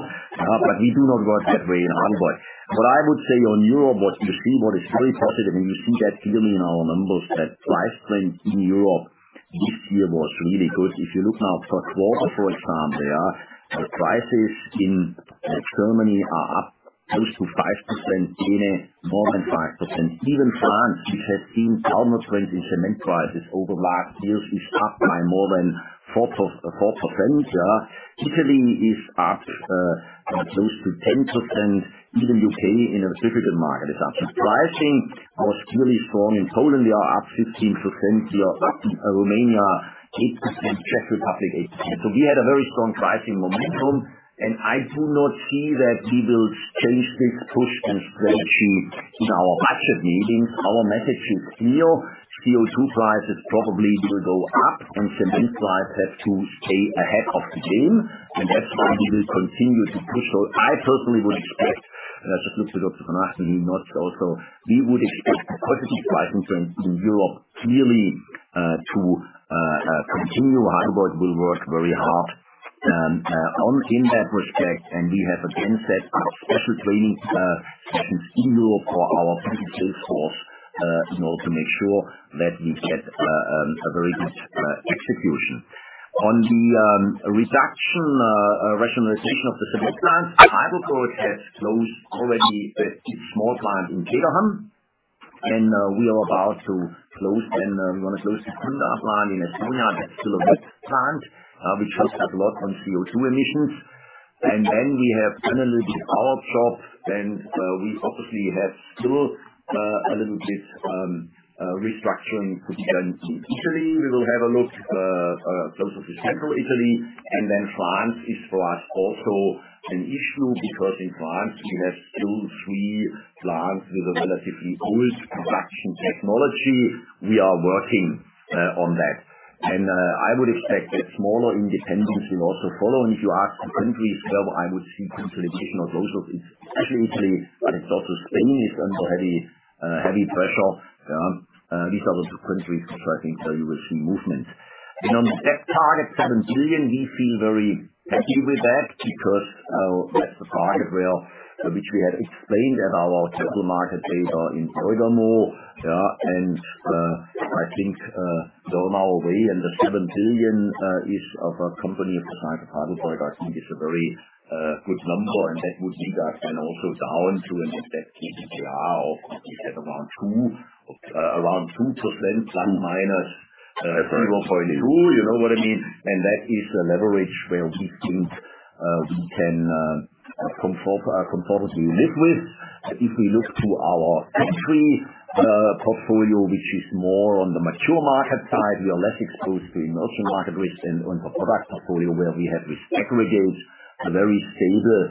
[SPEAKER 3] We do not work that way in Heidelberg. What I would say on Europe, what you see, what is really positive, and you see that clearly in our numbers, that price trend in Europe this year was really good. If you look now, first quarter, for example, prices in Germany are up close to 5%, Spain more than 5%. Even France, which has seen downward trend in cement prices over last years, is up by more than 4%. Italy is up close to 10%. Even U.K. in a difficult market is up. Pricing was really strong in Poland. We are up 15% year over Romania, 8%. Czech Republic, 8%. We had a very strong pricing momentum, and I do not see that we will change this push and strategy in our budget meetings. Our message is clear. CO2 prices probably will go up and cement prices have to stay ahead of the game, and that's why we will continue to push those. I personally would expect, I just looked at Dr. Karnath, and he nods also. We would expect a positive pricing trend in Europe clearly to continue. Heidelberg will work very hard on in that respect and we have again said our special training in Europe for our sales force to make sure that we get a very good execution. On the reduction, rationalization of the cement plants, I would go with that. Closed already a small plant in Degerhamn. We are about to close, we want to close the Kunda plant in Estonia. That's still a wet plant, which costs us a lot on CO2 emissions. Then we have done a little bit of outjob. We obviously have still a little bit restructuring to be done in Italy. We will have a look, close up to central Italy. Then France is for us also an issue, because in France we have two, three plants with a relatively old production technology. We are working on that. I would expect that smaller independents will also follow. If you ask the countries where I would see consolidation of those, it's especially Italy, it's also Spain is under heavy pressure. These are the two countries which I think you will see movement. On the debt target, 7 billion, we feel very happy with that because that's the target which we had explained at our capital market day in Heidelberg, and I think on our way and the 7 billion is of a company the size of Heidelberg, I think is a very good number and that would mean that and also down to an effective DPR of, we said around 2%, ±0.2. You know what I mean? That is a leverage where we think we can comfortably live with. If we look to our entire portfolio, which is more on the mature market side, we are less exposed to emerging market risk than on the product portfolio where we have this aggregate, a very stable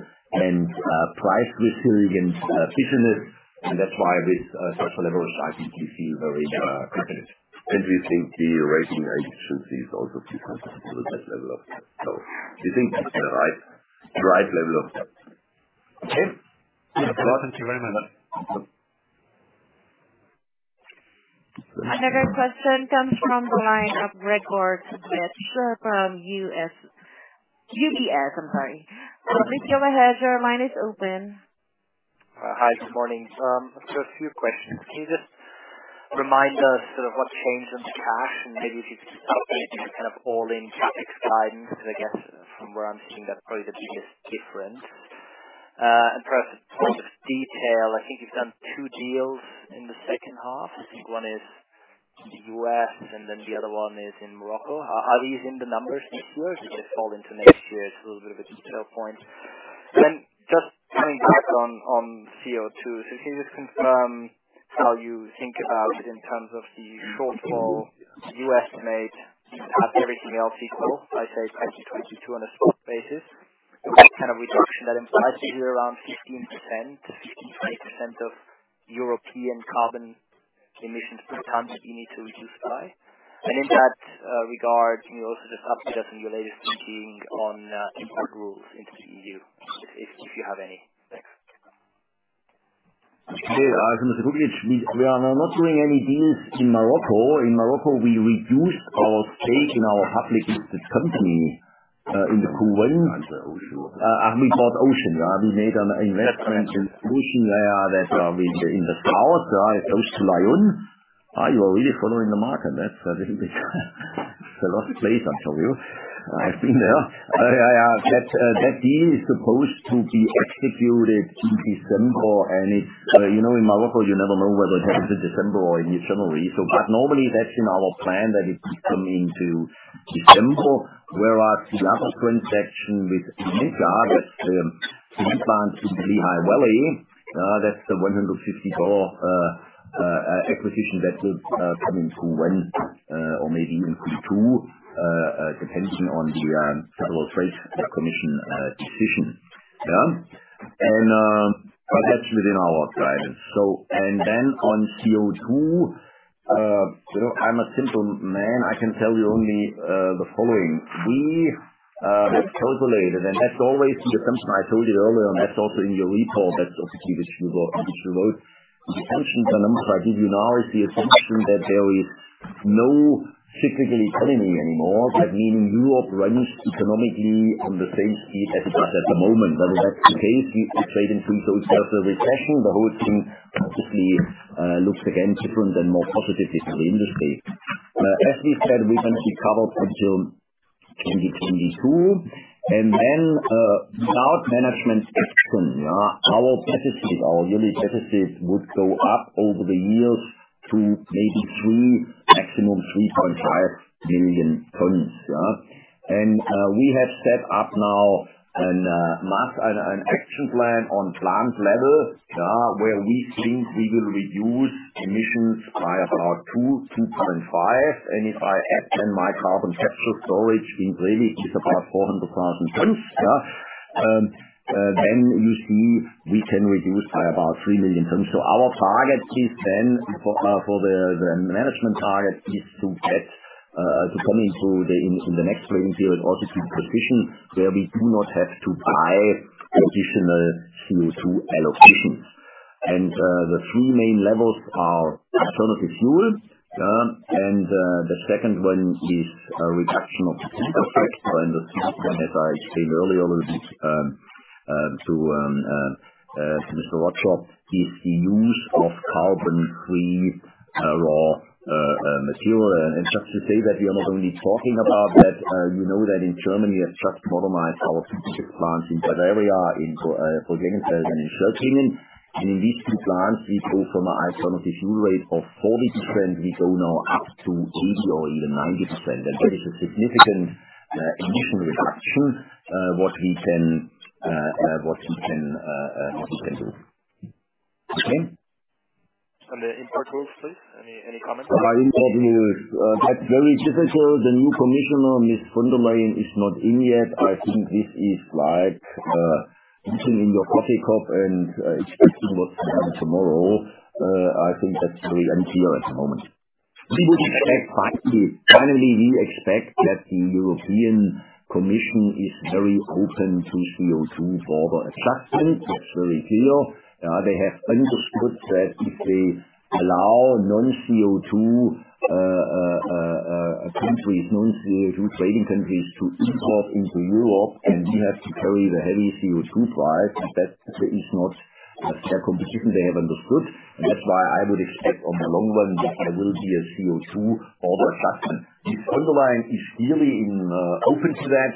[SPEAKER 3] and price resilient business. That's why with such a leverage, I think we feel very confident.
[SPEAKER 4] We think the rating agencies also feel comfortable with that level of debt. We think that's the right level of debt.
[SPEAKER 3] Okay.
[SPEAKER 8] Thank you very much.
[SPEAKER 1] Another question comes from the line of Elodie Rall, that's from [UBS]. I'm sorry. Please go ahead, your line is open.
[SPEAKER 9] Hi, good morning. Just a few questions. Can you just remind us sort of what changed in the cash, and maybe if you could just update kind of all-in CapEx guidance, I guess, from where I'm seeing that probably the biggest difference. Perhaps a point of detail, I think you've done two deals in the second half. I think one is in the U.S. the other one is in Morocco. Are these in the numbers this year, or did they fall into next year's? A little bit of a detail point. Just coming back on CO2. Can you just confirm how you think about in terms of the shortfall you estimate, everything else equal, I'd say it's actually 2,200 on a scope basis. The kind of reduction that implies is around 15% to 15%-20% of European carbon emissions per ton that you need to reduce by. In that regard, can you also just update us on your latest thinking on import rules into the EU, if you have any? Thanks.
[SPEAKER 3] As, [inaudible] we are not doing any deals in Morocco. In Morocco, we reduced our stake in our public listed company, in the Q1. We bought Ocean. We made an investment in Ocean there that in the south, it goes to Laâyoune. You are really following the market. That's a lot of praise, I tell you. I've been there. That deal is supposed to be executed in December. In Morocco, you never know whether it happens in December or in January. Normally, that's in our plan that it will come into December, whereas the other transaction with [Amica], that's the cement plant in the Lehigh Valley, that's the $150 acquisition that will come into Q1 or maybe even Q2, depending on the Federal Trade Commission decision. That's within our guidance. On CO2, I'm a simple man. I can tell you only the following. That's correlated, and that's always the assumption I told you earlier, and that's also in your report, that's obviously which you wrote. The assumptions I give you now is the assumption that there is no cyclical economy anymore, meaning Europe runs economically on the same speed as it does at the moment, whether that's gains, if we trade into social recession, the whole thing possibly looks again different than more positively for the industry. As we said, we want to be carbon neutral 2022. Without management action, our deficit, our yearly deficit, would go up over the years to maybe three, maximum 3.5 million tons. We have set up now an action plan on plant level, where we think we will reduce emissions by about two, 2.5. If I add my carbon capture storage in Brevik is about 400,000 tons, you see we can reduce by about 3 million tons. Our target is, for the management target is to come into the next planning period also to be positioned where we do not have to buy additional CO2 allocations. The three main levels are alternative fuels, the second one is a reduction of clinker content, the third one, as I explained earlier to Mr. Rothschild, is the use of carbon-free raw material. Just to say that we are not only talking about that, you know that in Germany we have just modernized our cement plants in Bavaria, in Forchheim and in Schöningen. In these two plants, we go from an alternative fuel rate of 40%, we go now up to 80% or even 90%. That is a significant emission reduction, what we can do. Okay.
[SPEAKER 9] The import rules, please. Any comments?
[SPEAKER 3] About import rules. That's very difficult. The new commissioner, Ms. von der Leyen, is not in yet. I think this is like reading your coffee cup and expecting what will happen tomorrow. I think that's very unclear at the moment. Finally, we expect that the European Commission is very open to CO2 border adjustment. That's very clear. They have understood that if they allow non-CO2 trading countries to import into Europe, and we have to carry the heavy CO2 price, that is not fair competition they have understood. I would expect on the long run that there will be a CO2 border adjustment. Ms. von der Leyen is clearly open to that.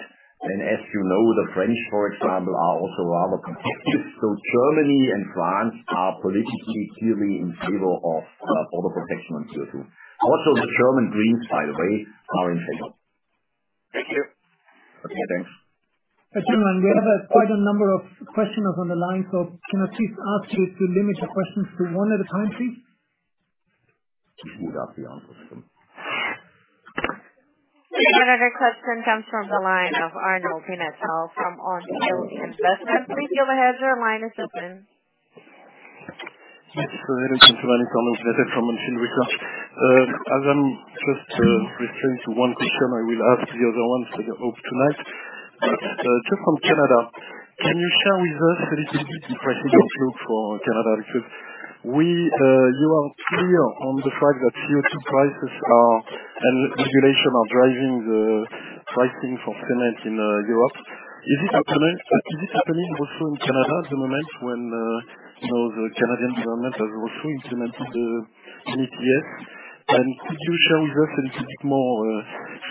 [SPEAKER 3] As you know, the French, for example, are also rather competitive. Germany and France are politically clearly in favor of border protection on CO2. Also, the German Greens, by the way, are in favor.
[SPEAKER 9] Thank you.
[SPEAKER 3] Okay, thanks.
[SPEAKER 1] Gentlemen, we have quite a number of questioners on the line, so can I just ask you to limit your questions to one at a time, please?
[SPEAKER 3] Would that be our question.
[SPEAKER 1] Another question comes from the line of Arnold Bennett from Auriga Investment. Please go ahead, your line is open.
[SPEAKER 10] Yes. Hello. This is Arnold Bennett from Auriga. As I'm just referring to one question, I will ask the other ones at the hope tonight. Just on Canada, can you share with us a little bit the pricing outlook for Canada? Because you are clear on the fact that CO2 prices and regulation are driving the pricing for cement in Europe. Is it happening also in Canada at the moment when the Canadian government has also implemented the ETS? Could you share with us a little bit more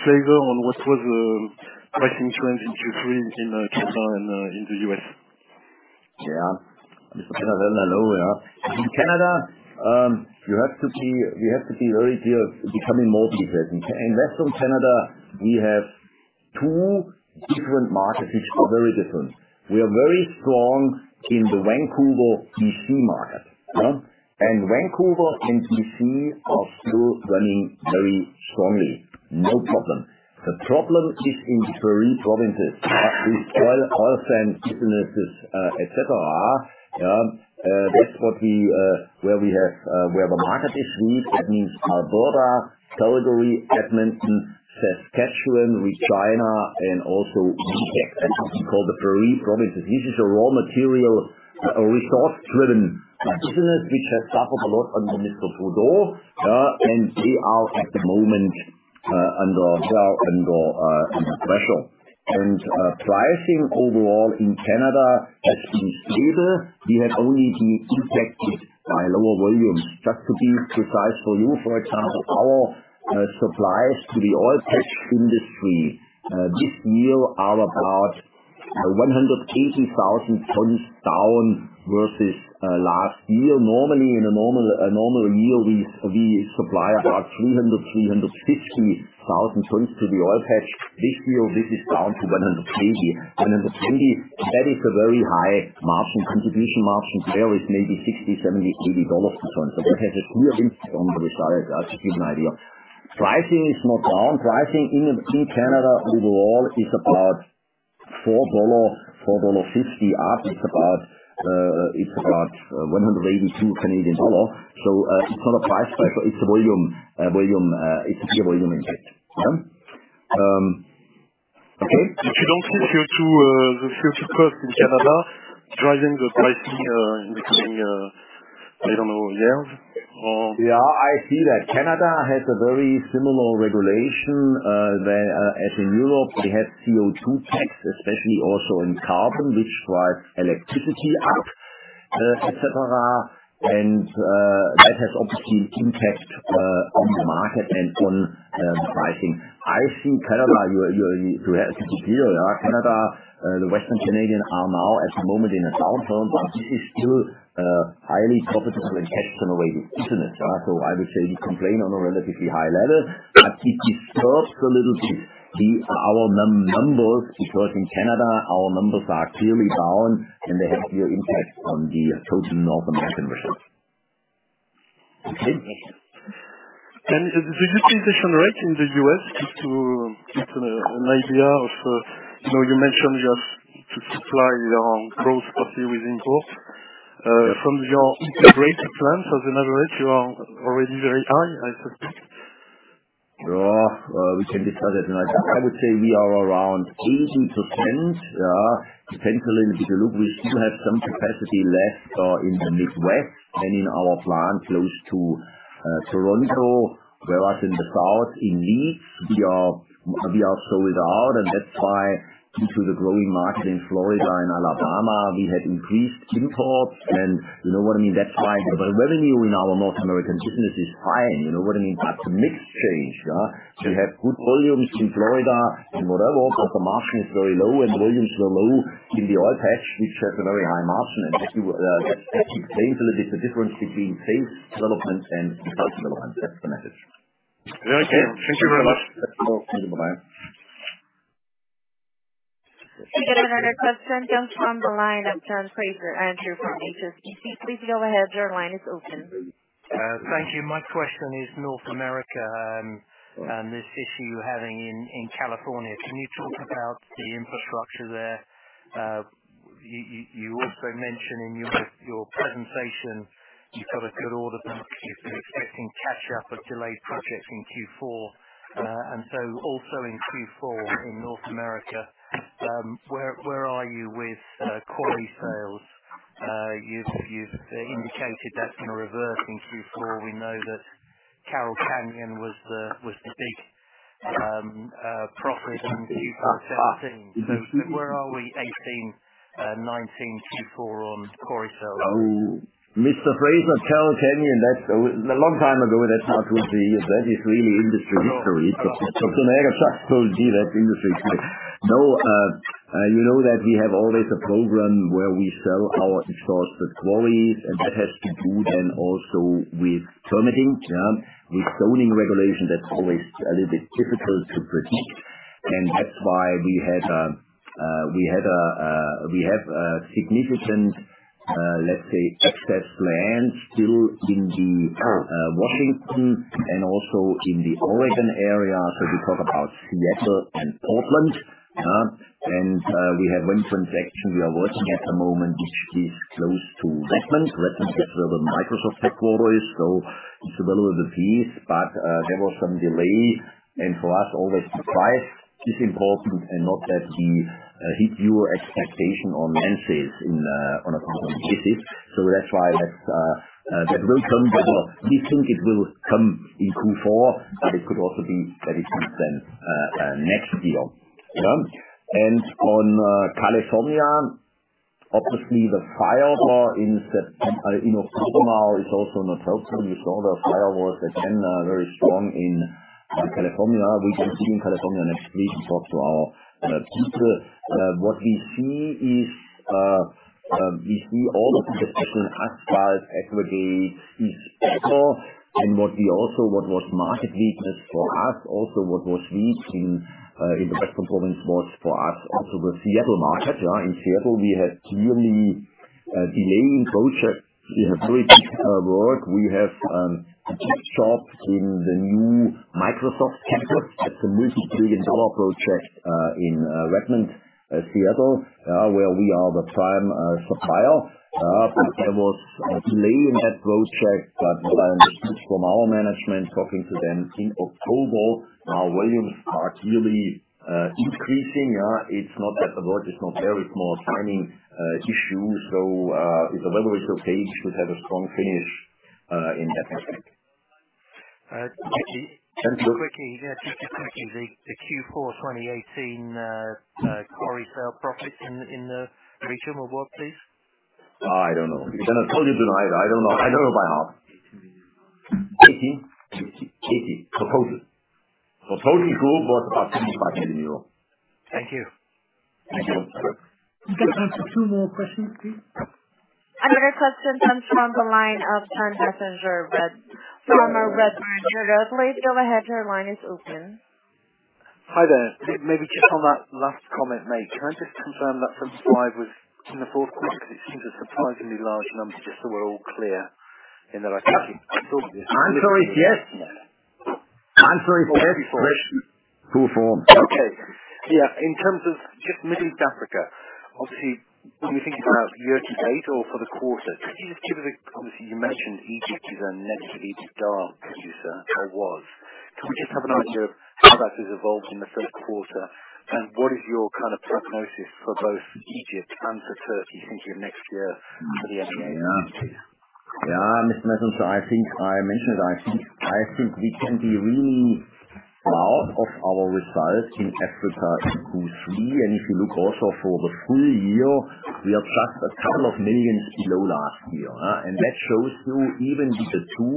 [SPEAKER 10] flavor on what was the pricing trend in Q3 in Canada and in the U.S.?
[SPEAKER 3] Yeah. In Canada, we have to be very clear, becoming more detailed. In Western Canada, we have two different markets which are very different. We are very strong in the Vancouver, BC market. Vancouver and BC are still running very strongly. No problem. The problem is in the Prairie provinces with oil sands businesses, et cetera. That's where the market is weak. That means Alberta, Calgary, Edmonton, Saskatchewan, Regina, and also Winnipeg. That's what we call the Prairie provinces. This is a raw material, a resource-driven business which has suffered a lot under Mr. Trudeau, and they are at the moment under pressure. Pricing overall in Canada has been stable. We have only been impacted by lower volumes. Just to be precise for you, for example, our supplies to the oil patch industry this year are about 180,000 tons down versus last year. Normally, in a normal year, we supply about 300,000-350,000 tons to the oil patch. This year, this is down to 120. 120, that is a very high margin, contribution margin there with maybe 60, 70, EUR 80 per ton. That has a clear impact on the business, just to give an idea. Pricing is not down. Pricing in Canada overall is about 4 dollar, 4.50 dollar up. It's about 182 Canadian dollar. It's not a price factor, it's a volume impact. Okay.
[SPEAKER 10] You don't see CO2, the future cost in Canada, driving the pricing in between a, I don't know, year.
[SPEAKER 3] Yeah, I see that Canada has a very similar regulation. As in Europe, we have CO2 tax, especially also in carbon, which drives electricity up, et cetera. That has obviously impact on the market and on pricing. I think Canada, you asked specifically, Canada, the Western Canadian are now at the moment in a downturn, but this is still highly profitable and cash generative business. I would say we complain on a relatively high level, but it disturbs a little our numbers, because in Canada, our numbers are clearly down, and they have clear impact on the total North American results. Okay?
[SPEAKER 10] The utilization rate in the U.S., just to get an idea of, you mentioned you have to supply your own growth partly with imports. From your integrated plants, as an average, you are already very high, I suppose.
[SPEAKER 3] We can discuss it. I would say we are around 80% potential in the loop. We still have some capacity left in the Midwest and in our plant close to Toronto, whereas in the South, in Leeds, we are sold out, and that's why due to the growing market in Florida and Alabama, we had increased imports and you know what I mean. That's why the revenue in our North American business is high, you know what I mean? The mix changed. We have good volumes in Florida and whatever, but the margin is very low and the volumes are low in the oil patch, which has a very high margin. That explains a little bit the difference between sales development and result development. That's the message.
[SPEAKER 10] Okay. Thank you very much.
[SPEAKER 3] Okay. Bye.
[SPEAKER 1] We got another question just on the line. It's John Fraser-Andrews from HSBC. Please go ahead. Your line is open.
[SPEAKER 11] Thank you. My question is North America and this issue you're having in California. Can you talk about the infrastructure there? You also mentioned in your presentation you've got a good order book. You've been expecting catch-up of delayed projects in Q4. Also in Q4 in North America, where are you with quarry sales? You've indicated that's going to reverse in Q4. We know that Carroll Canyon was the big profit in Q4 2017. Where are we 2018, 2019 Q4 on quarry sales?
[SPEAKER 3] Mr. Fraser-Andrews, Carroll Canyon, a long time ago, That is really industry history.
[SPEAKER 11] Oh, okay.
[SPEAKER 3] Gee, that's industry history. You know that we have always a program where we sell our exhausted quarries, that has to do then also with permitting. With zoning regulation, that's always a little bit difficult to predict. That's why we have a significant, let's say, excess land still in Washington and also in the Oregon area. We talk about Seattle and Portland. We have one transaction we are working at the moment, which is close to Redmond. Redmond is where the Microsoft headquarter is, it's a little of these, but there was some delay. For us, always the price is important and not that we hit your expectation on land sales on a company visit. That's why that will come. We think it will come in Q4, but it could also be that it comes then next year. On California, obviously the fire in September is also not helpful. You saw the fires again, very strong in California. We can see in California, and I've spoken to our people, what we see is all of the special asphalt aggregate is better. What was markedly just for us also, what was reaching in the best performance was for us also the Seattle market. In Seattle, we had clearly delaying projects in a very big work. We have a big job in the new Microsoft campus. That's a multi-billion dollar project in Redmond, Seattle, where we are the prime supplier. There was a delay in that project, but what I understand from our management, talking to them, in October, our volumes are clearly increasing. It's not that the work is not there. It's more timing issues. If the weather is okay, we should have a strong finish in that aspect.
[SPEAKER 11] Just quickly, the Q4 2018 quarry sale profits in the region or what, please?
[SPEAKER 3] I don't know. We cannot tell you tonight. I don't know by how. 18? 18. Totally. Totally full, but about EUR 25 million.
[SPEAKER 11] Thank you.
[SPEAKER 3] You're welcome.
[SPEAKER 2] We've got time for two more questions, please.
[SPEAKER 1] Another question comes from the line of John Messenger from Redburn. Go ahead. Your line is open.
[SPEAKER 12] Hi there. Maybe just on that last comment made, can I just confirm that the five was in the fourth quarter? It seems a surprisingly large number, just so we're all clear in that I can't think.
[SPEAKER 3] I'm sorry, yes. I'm sorry, where?
[SPEAKER 12] Fourth quarter.
[SPEAKER 3] Okay.
[SPEAKER 12] Yeah. In terms of just Middle East Africa, obviously, when you think about year-to-date or for the quarter, could you just give us? Obviously, you mentioned Egypt is a negatively dark producer, or was. Can we just have an idea of how that has evolved in the third quarter? What is your kind of prognosis for both Egypt and for Turkey thinking of next year for the MA?
[SPEAKER 3] Yeah. Mr. Messenger, I think I mentioned, I think we can be really proud of our results in Africa in Q3. If you look also for the full year, we are just a couple of million EUR below last year. That shows you even with the two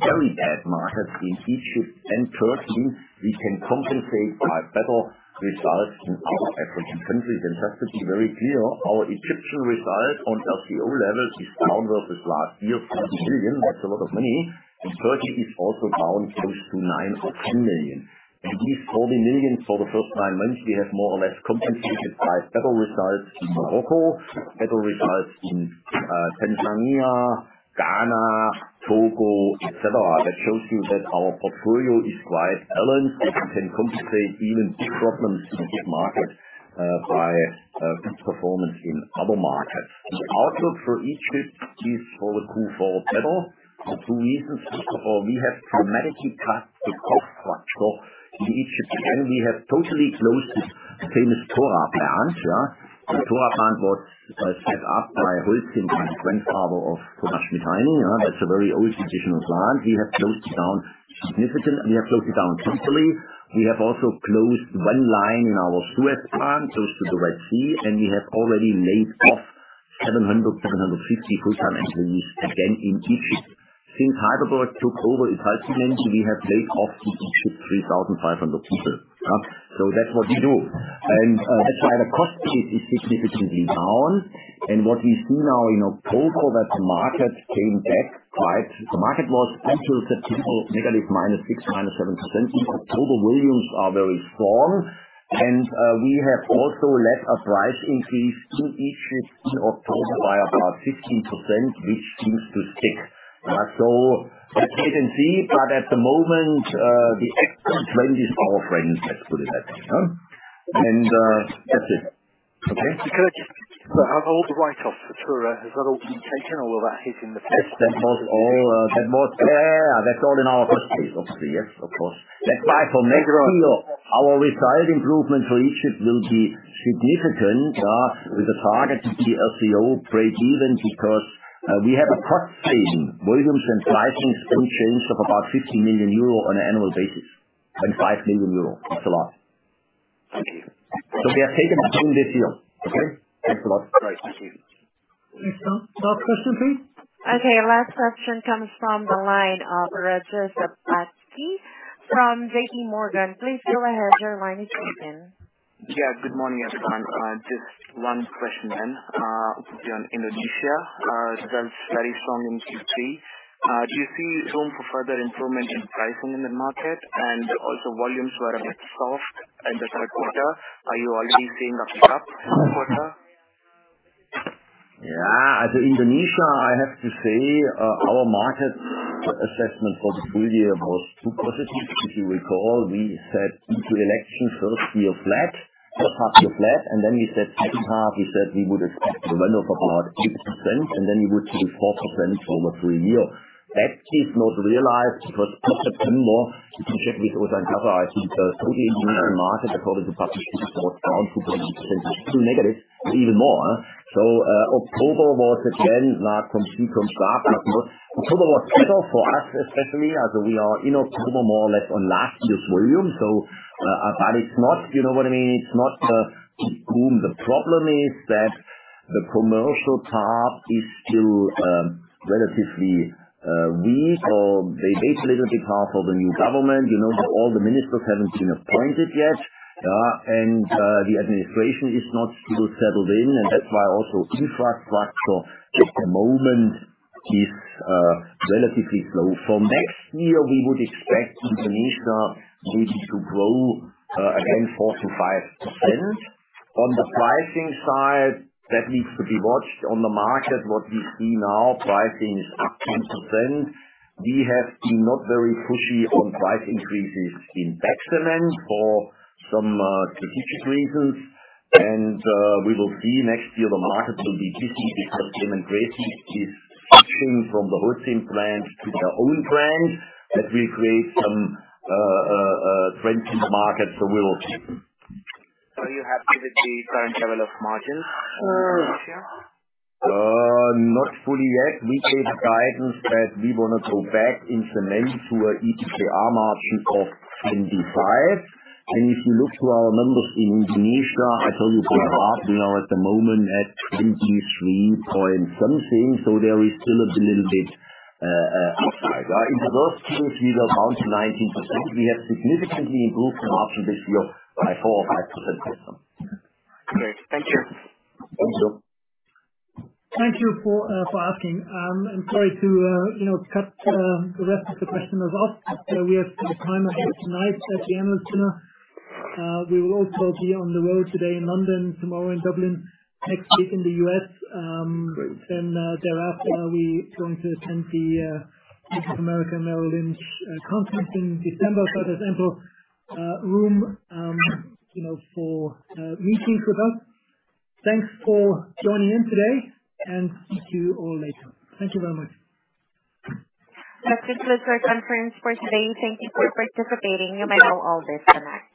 [SPEAKER 3] very bad markets in Egypt and Turkey, we can compensate by better results in other African countries. Just to be very clear, our Egyptian results on RCO levels is down versus last year, 40 million. That's a lot of money. Turkey is also down close to 9 million or 10 million. These 40 million for the first nine months, we have more or less compensated by better results in Morocco, better results in Tanzania, Ghana, Togo, et cetera. That shows you that our portfolio is quite balanced, and we can compensate even big problems in this market by good performance in other markets. The outlook for Egypt is for the Q4 better for two reasons. First of all, we have dramatically cut the cost structure in Egypt, and we have totally closed the famous Torah plant. Torah plant was set up by Holcim, the grandfather of Heidelberg Materials. That's a very old, traditional plant. We have closed it down significantly, and we have closed it down temporarily. We have also closed one line in our Suez plant, close to the Red Sea, and we have already laid off 700, 750 full-time employees again in Egypt. Since Heidelberg took over Italcementi, we have laid off in Egypt 3,500 people. That's what we do. That's why the cost base is significantly down. What we see now in October, that the market came back quite. The market was until September negatively -6%, -7%. In October, volumes are very strong, and we have also led a price increase in Egypt in October by about 15%, which seems to stick. Let's wait and see, but at the moment, the outlook trend is our friend, let's put it that way. That's it. Okay.
[SPEAKER 12] Could I have all the write-offs for Torah, has that all been taken or that hit in the?
[SPEAKER 3] Yes. Yeah. That's all in our cost base, obviously. Yes, of course. That's why for next year, our result improvement for Egypt will be significant with a target to be RCO breakeven, because we have a cost saving, volumes and pricings unchanged, of about 15 million euro on an annual basis and 5 million euro. That's a lot.
[SPEAKER 12] Okay.
[SPEAKER 3] We are taking it during this year. Okay? Thanks a lot.
[SPEAKER 12] Great. Thank you.
[SPEAKER 2] Next one. Last question, please.
[SPEAKER 1] Okay, last question comes from the line of Reza Sabatski from JP Morgan. Please go ahead. Your line is open.
[SPEAKER 13] Good morning, everyone. Just one question then on Indonesia. Results very strong in Q3. Do you see room for further improvement in pricing in the market? Also volumes were a bit soft in the third quarter. Are you already seeing a pickup this quarter?
[SPEAKER 3] Yeah. Indonesia, I have to say, our market assessment for this full year was too positive. If you recall, we said into election, first half was flat. We said second half, we would expect the revenue for about 50%, and then we would see 4% for over three year. That is not realized. It was much, much more. If you check with other cover, I think totally Indonesian market, according to publications, was down 2% to negative even more. October was again not complete from start. October was better for us, especially as we are in October, more or less on last year's volume. You know what I mean? It's not boom. The problem is that the commercial part is still relatively weak, or they wait a little bit half of the new government. All the ministers haven't been appointed yet, the administration is not still settled in, that's why also infrastructure at the moment is relatively slow. For next year, we would expect Indonesia really to grow again 4% to 5%. On the pricing side, that needs to be watched on the market. What we see now, pricing is up 10%. We have been not very pushy on price increases in bag cement for some strategic reasons. We will see next year the market will be busy because Semen Gresik is switching from the Holcim brand to their own brand. That will create some trends in the market, we will see.
[SPEAKER 13] Are you happy with the current level of margins in Indonesia?
[SPEAKER 3] Not fully yet. We gave guidance that we want to go back in cement to a EBITDA margin of 25. If you look to our numbers in Indonesia, I told you to go up. We are at the moment at 23 point something, there is still a little bit off guide. In the first Q, we were down to 19%. We have significantly improved the margin this year by 4% or 5% this time.
[SPEAKER 13] Great. Thank you.
[SPEAKER 3] Thank you.
[SPEAKER 2] Thank you for asking. I'm sorry to cut the rest of the question was asked. We are out of time again tonight at the analyst dinner. We will also be on the road today in London, tomorrow in Dublin, next week in the U.S. Thereafter, we are going to attend the Americas Merrill Lynch conference in December. There's ample room for meetings with us. Thanks for joining in today, and see you all later. Thank you very much.
[SPEAKER 1] That's it for the conference for today. Thank you for participating, and we hope all this connects.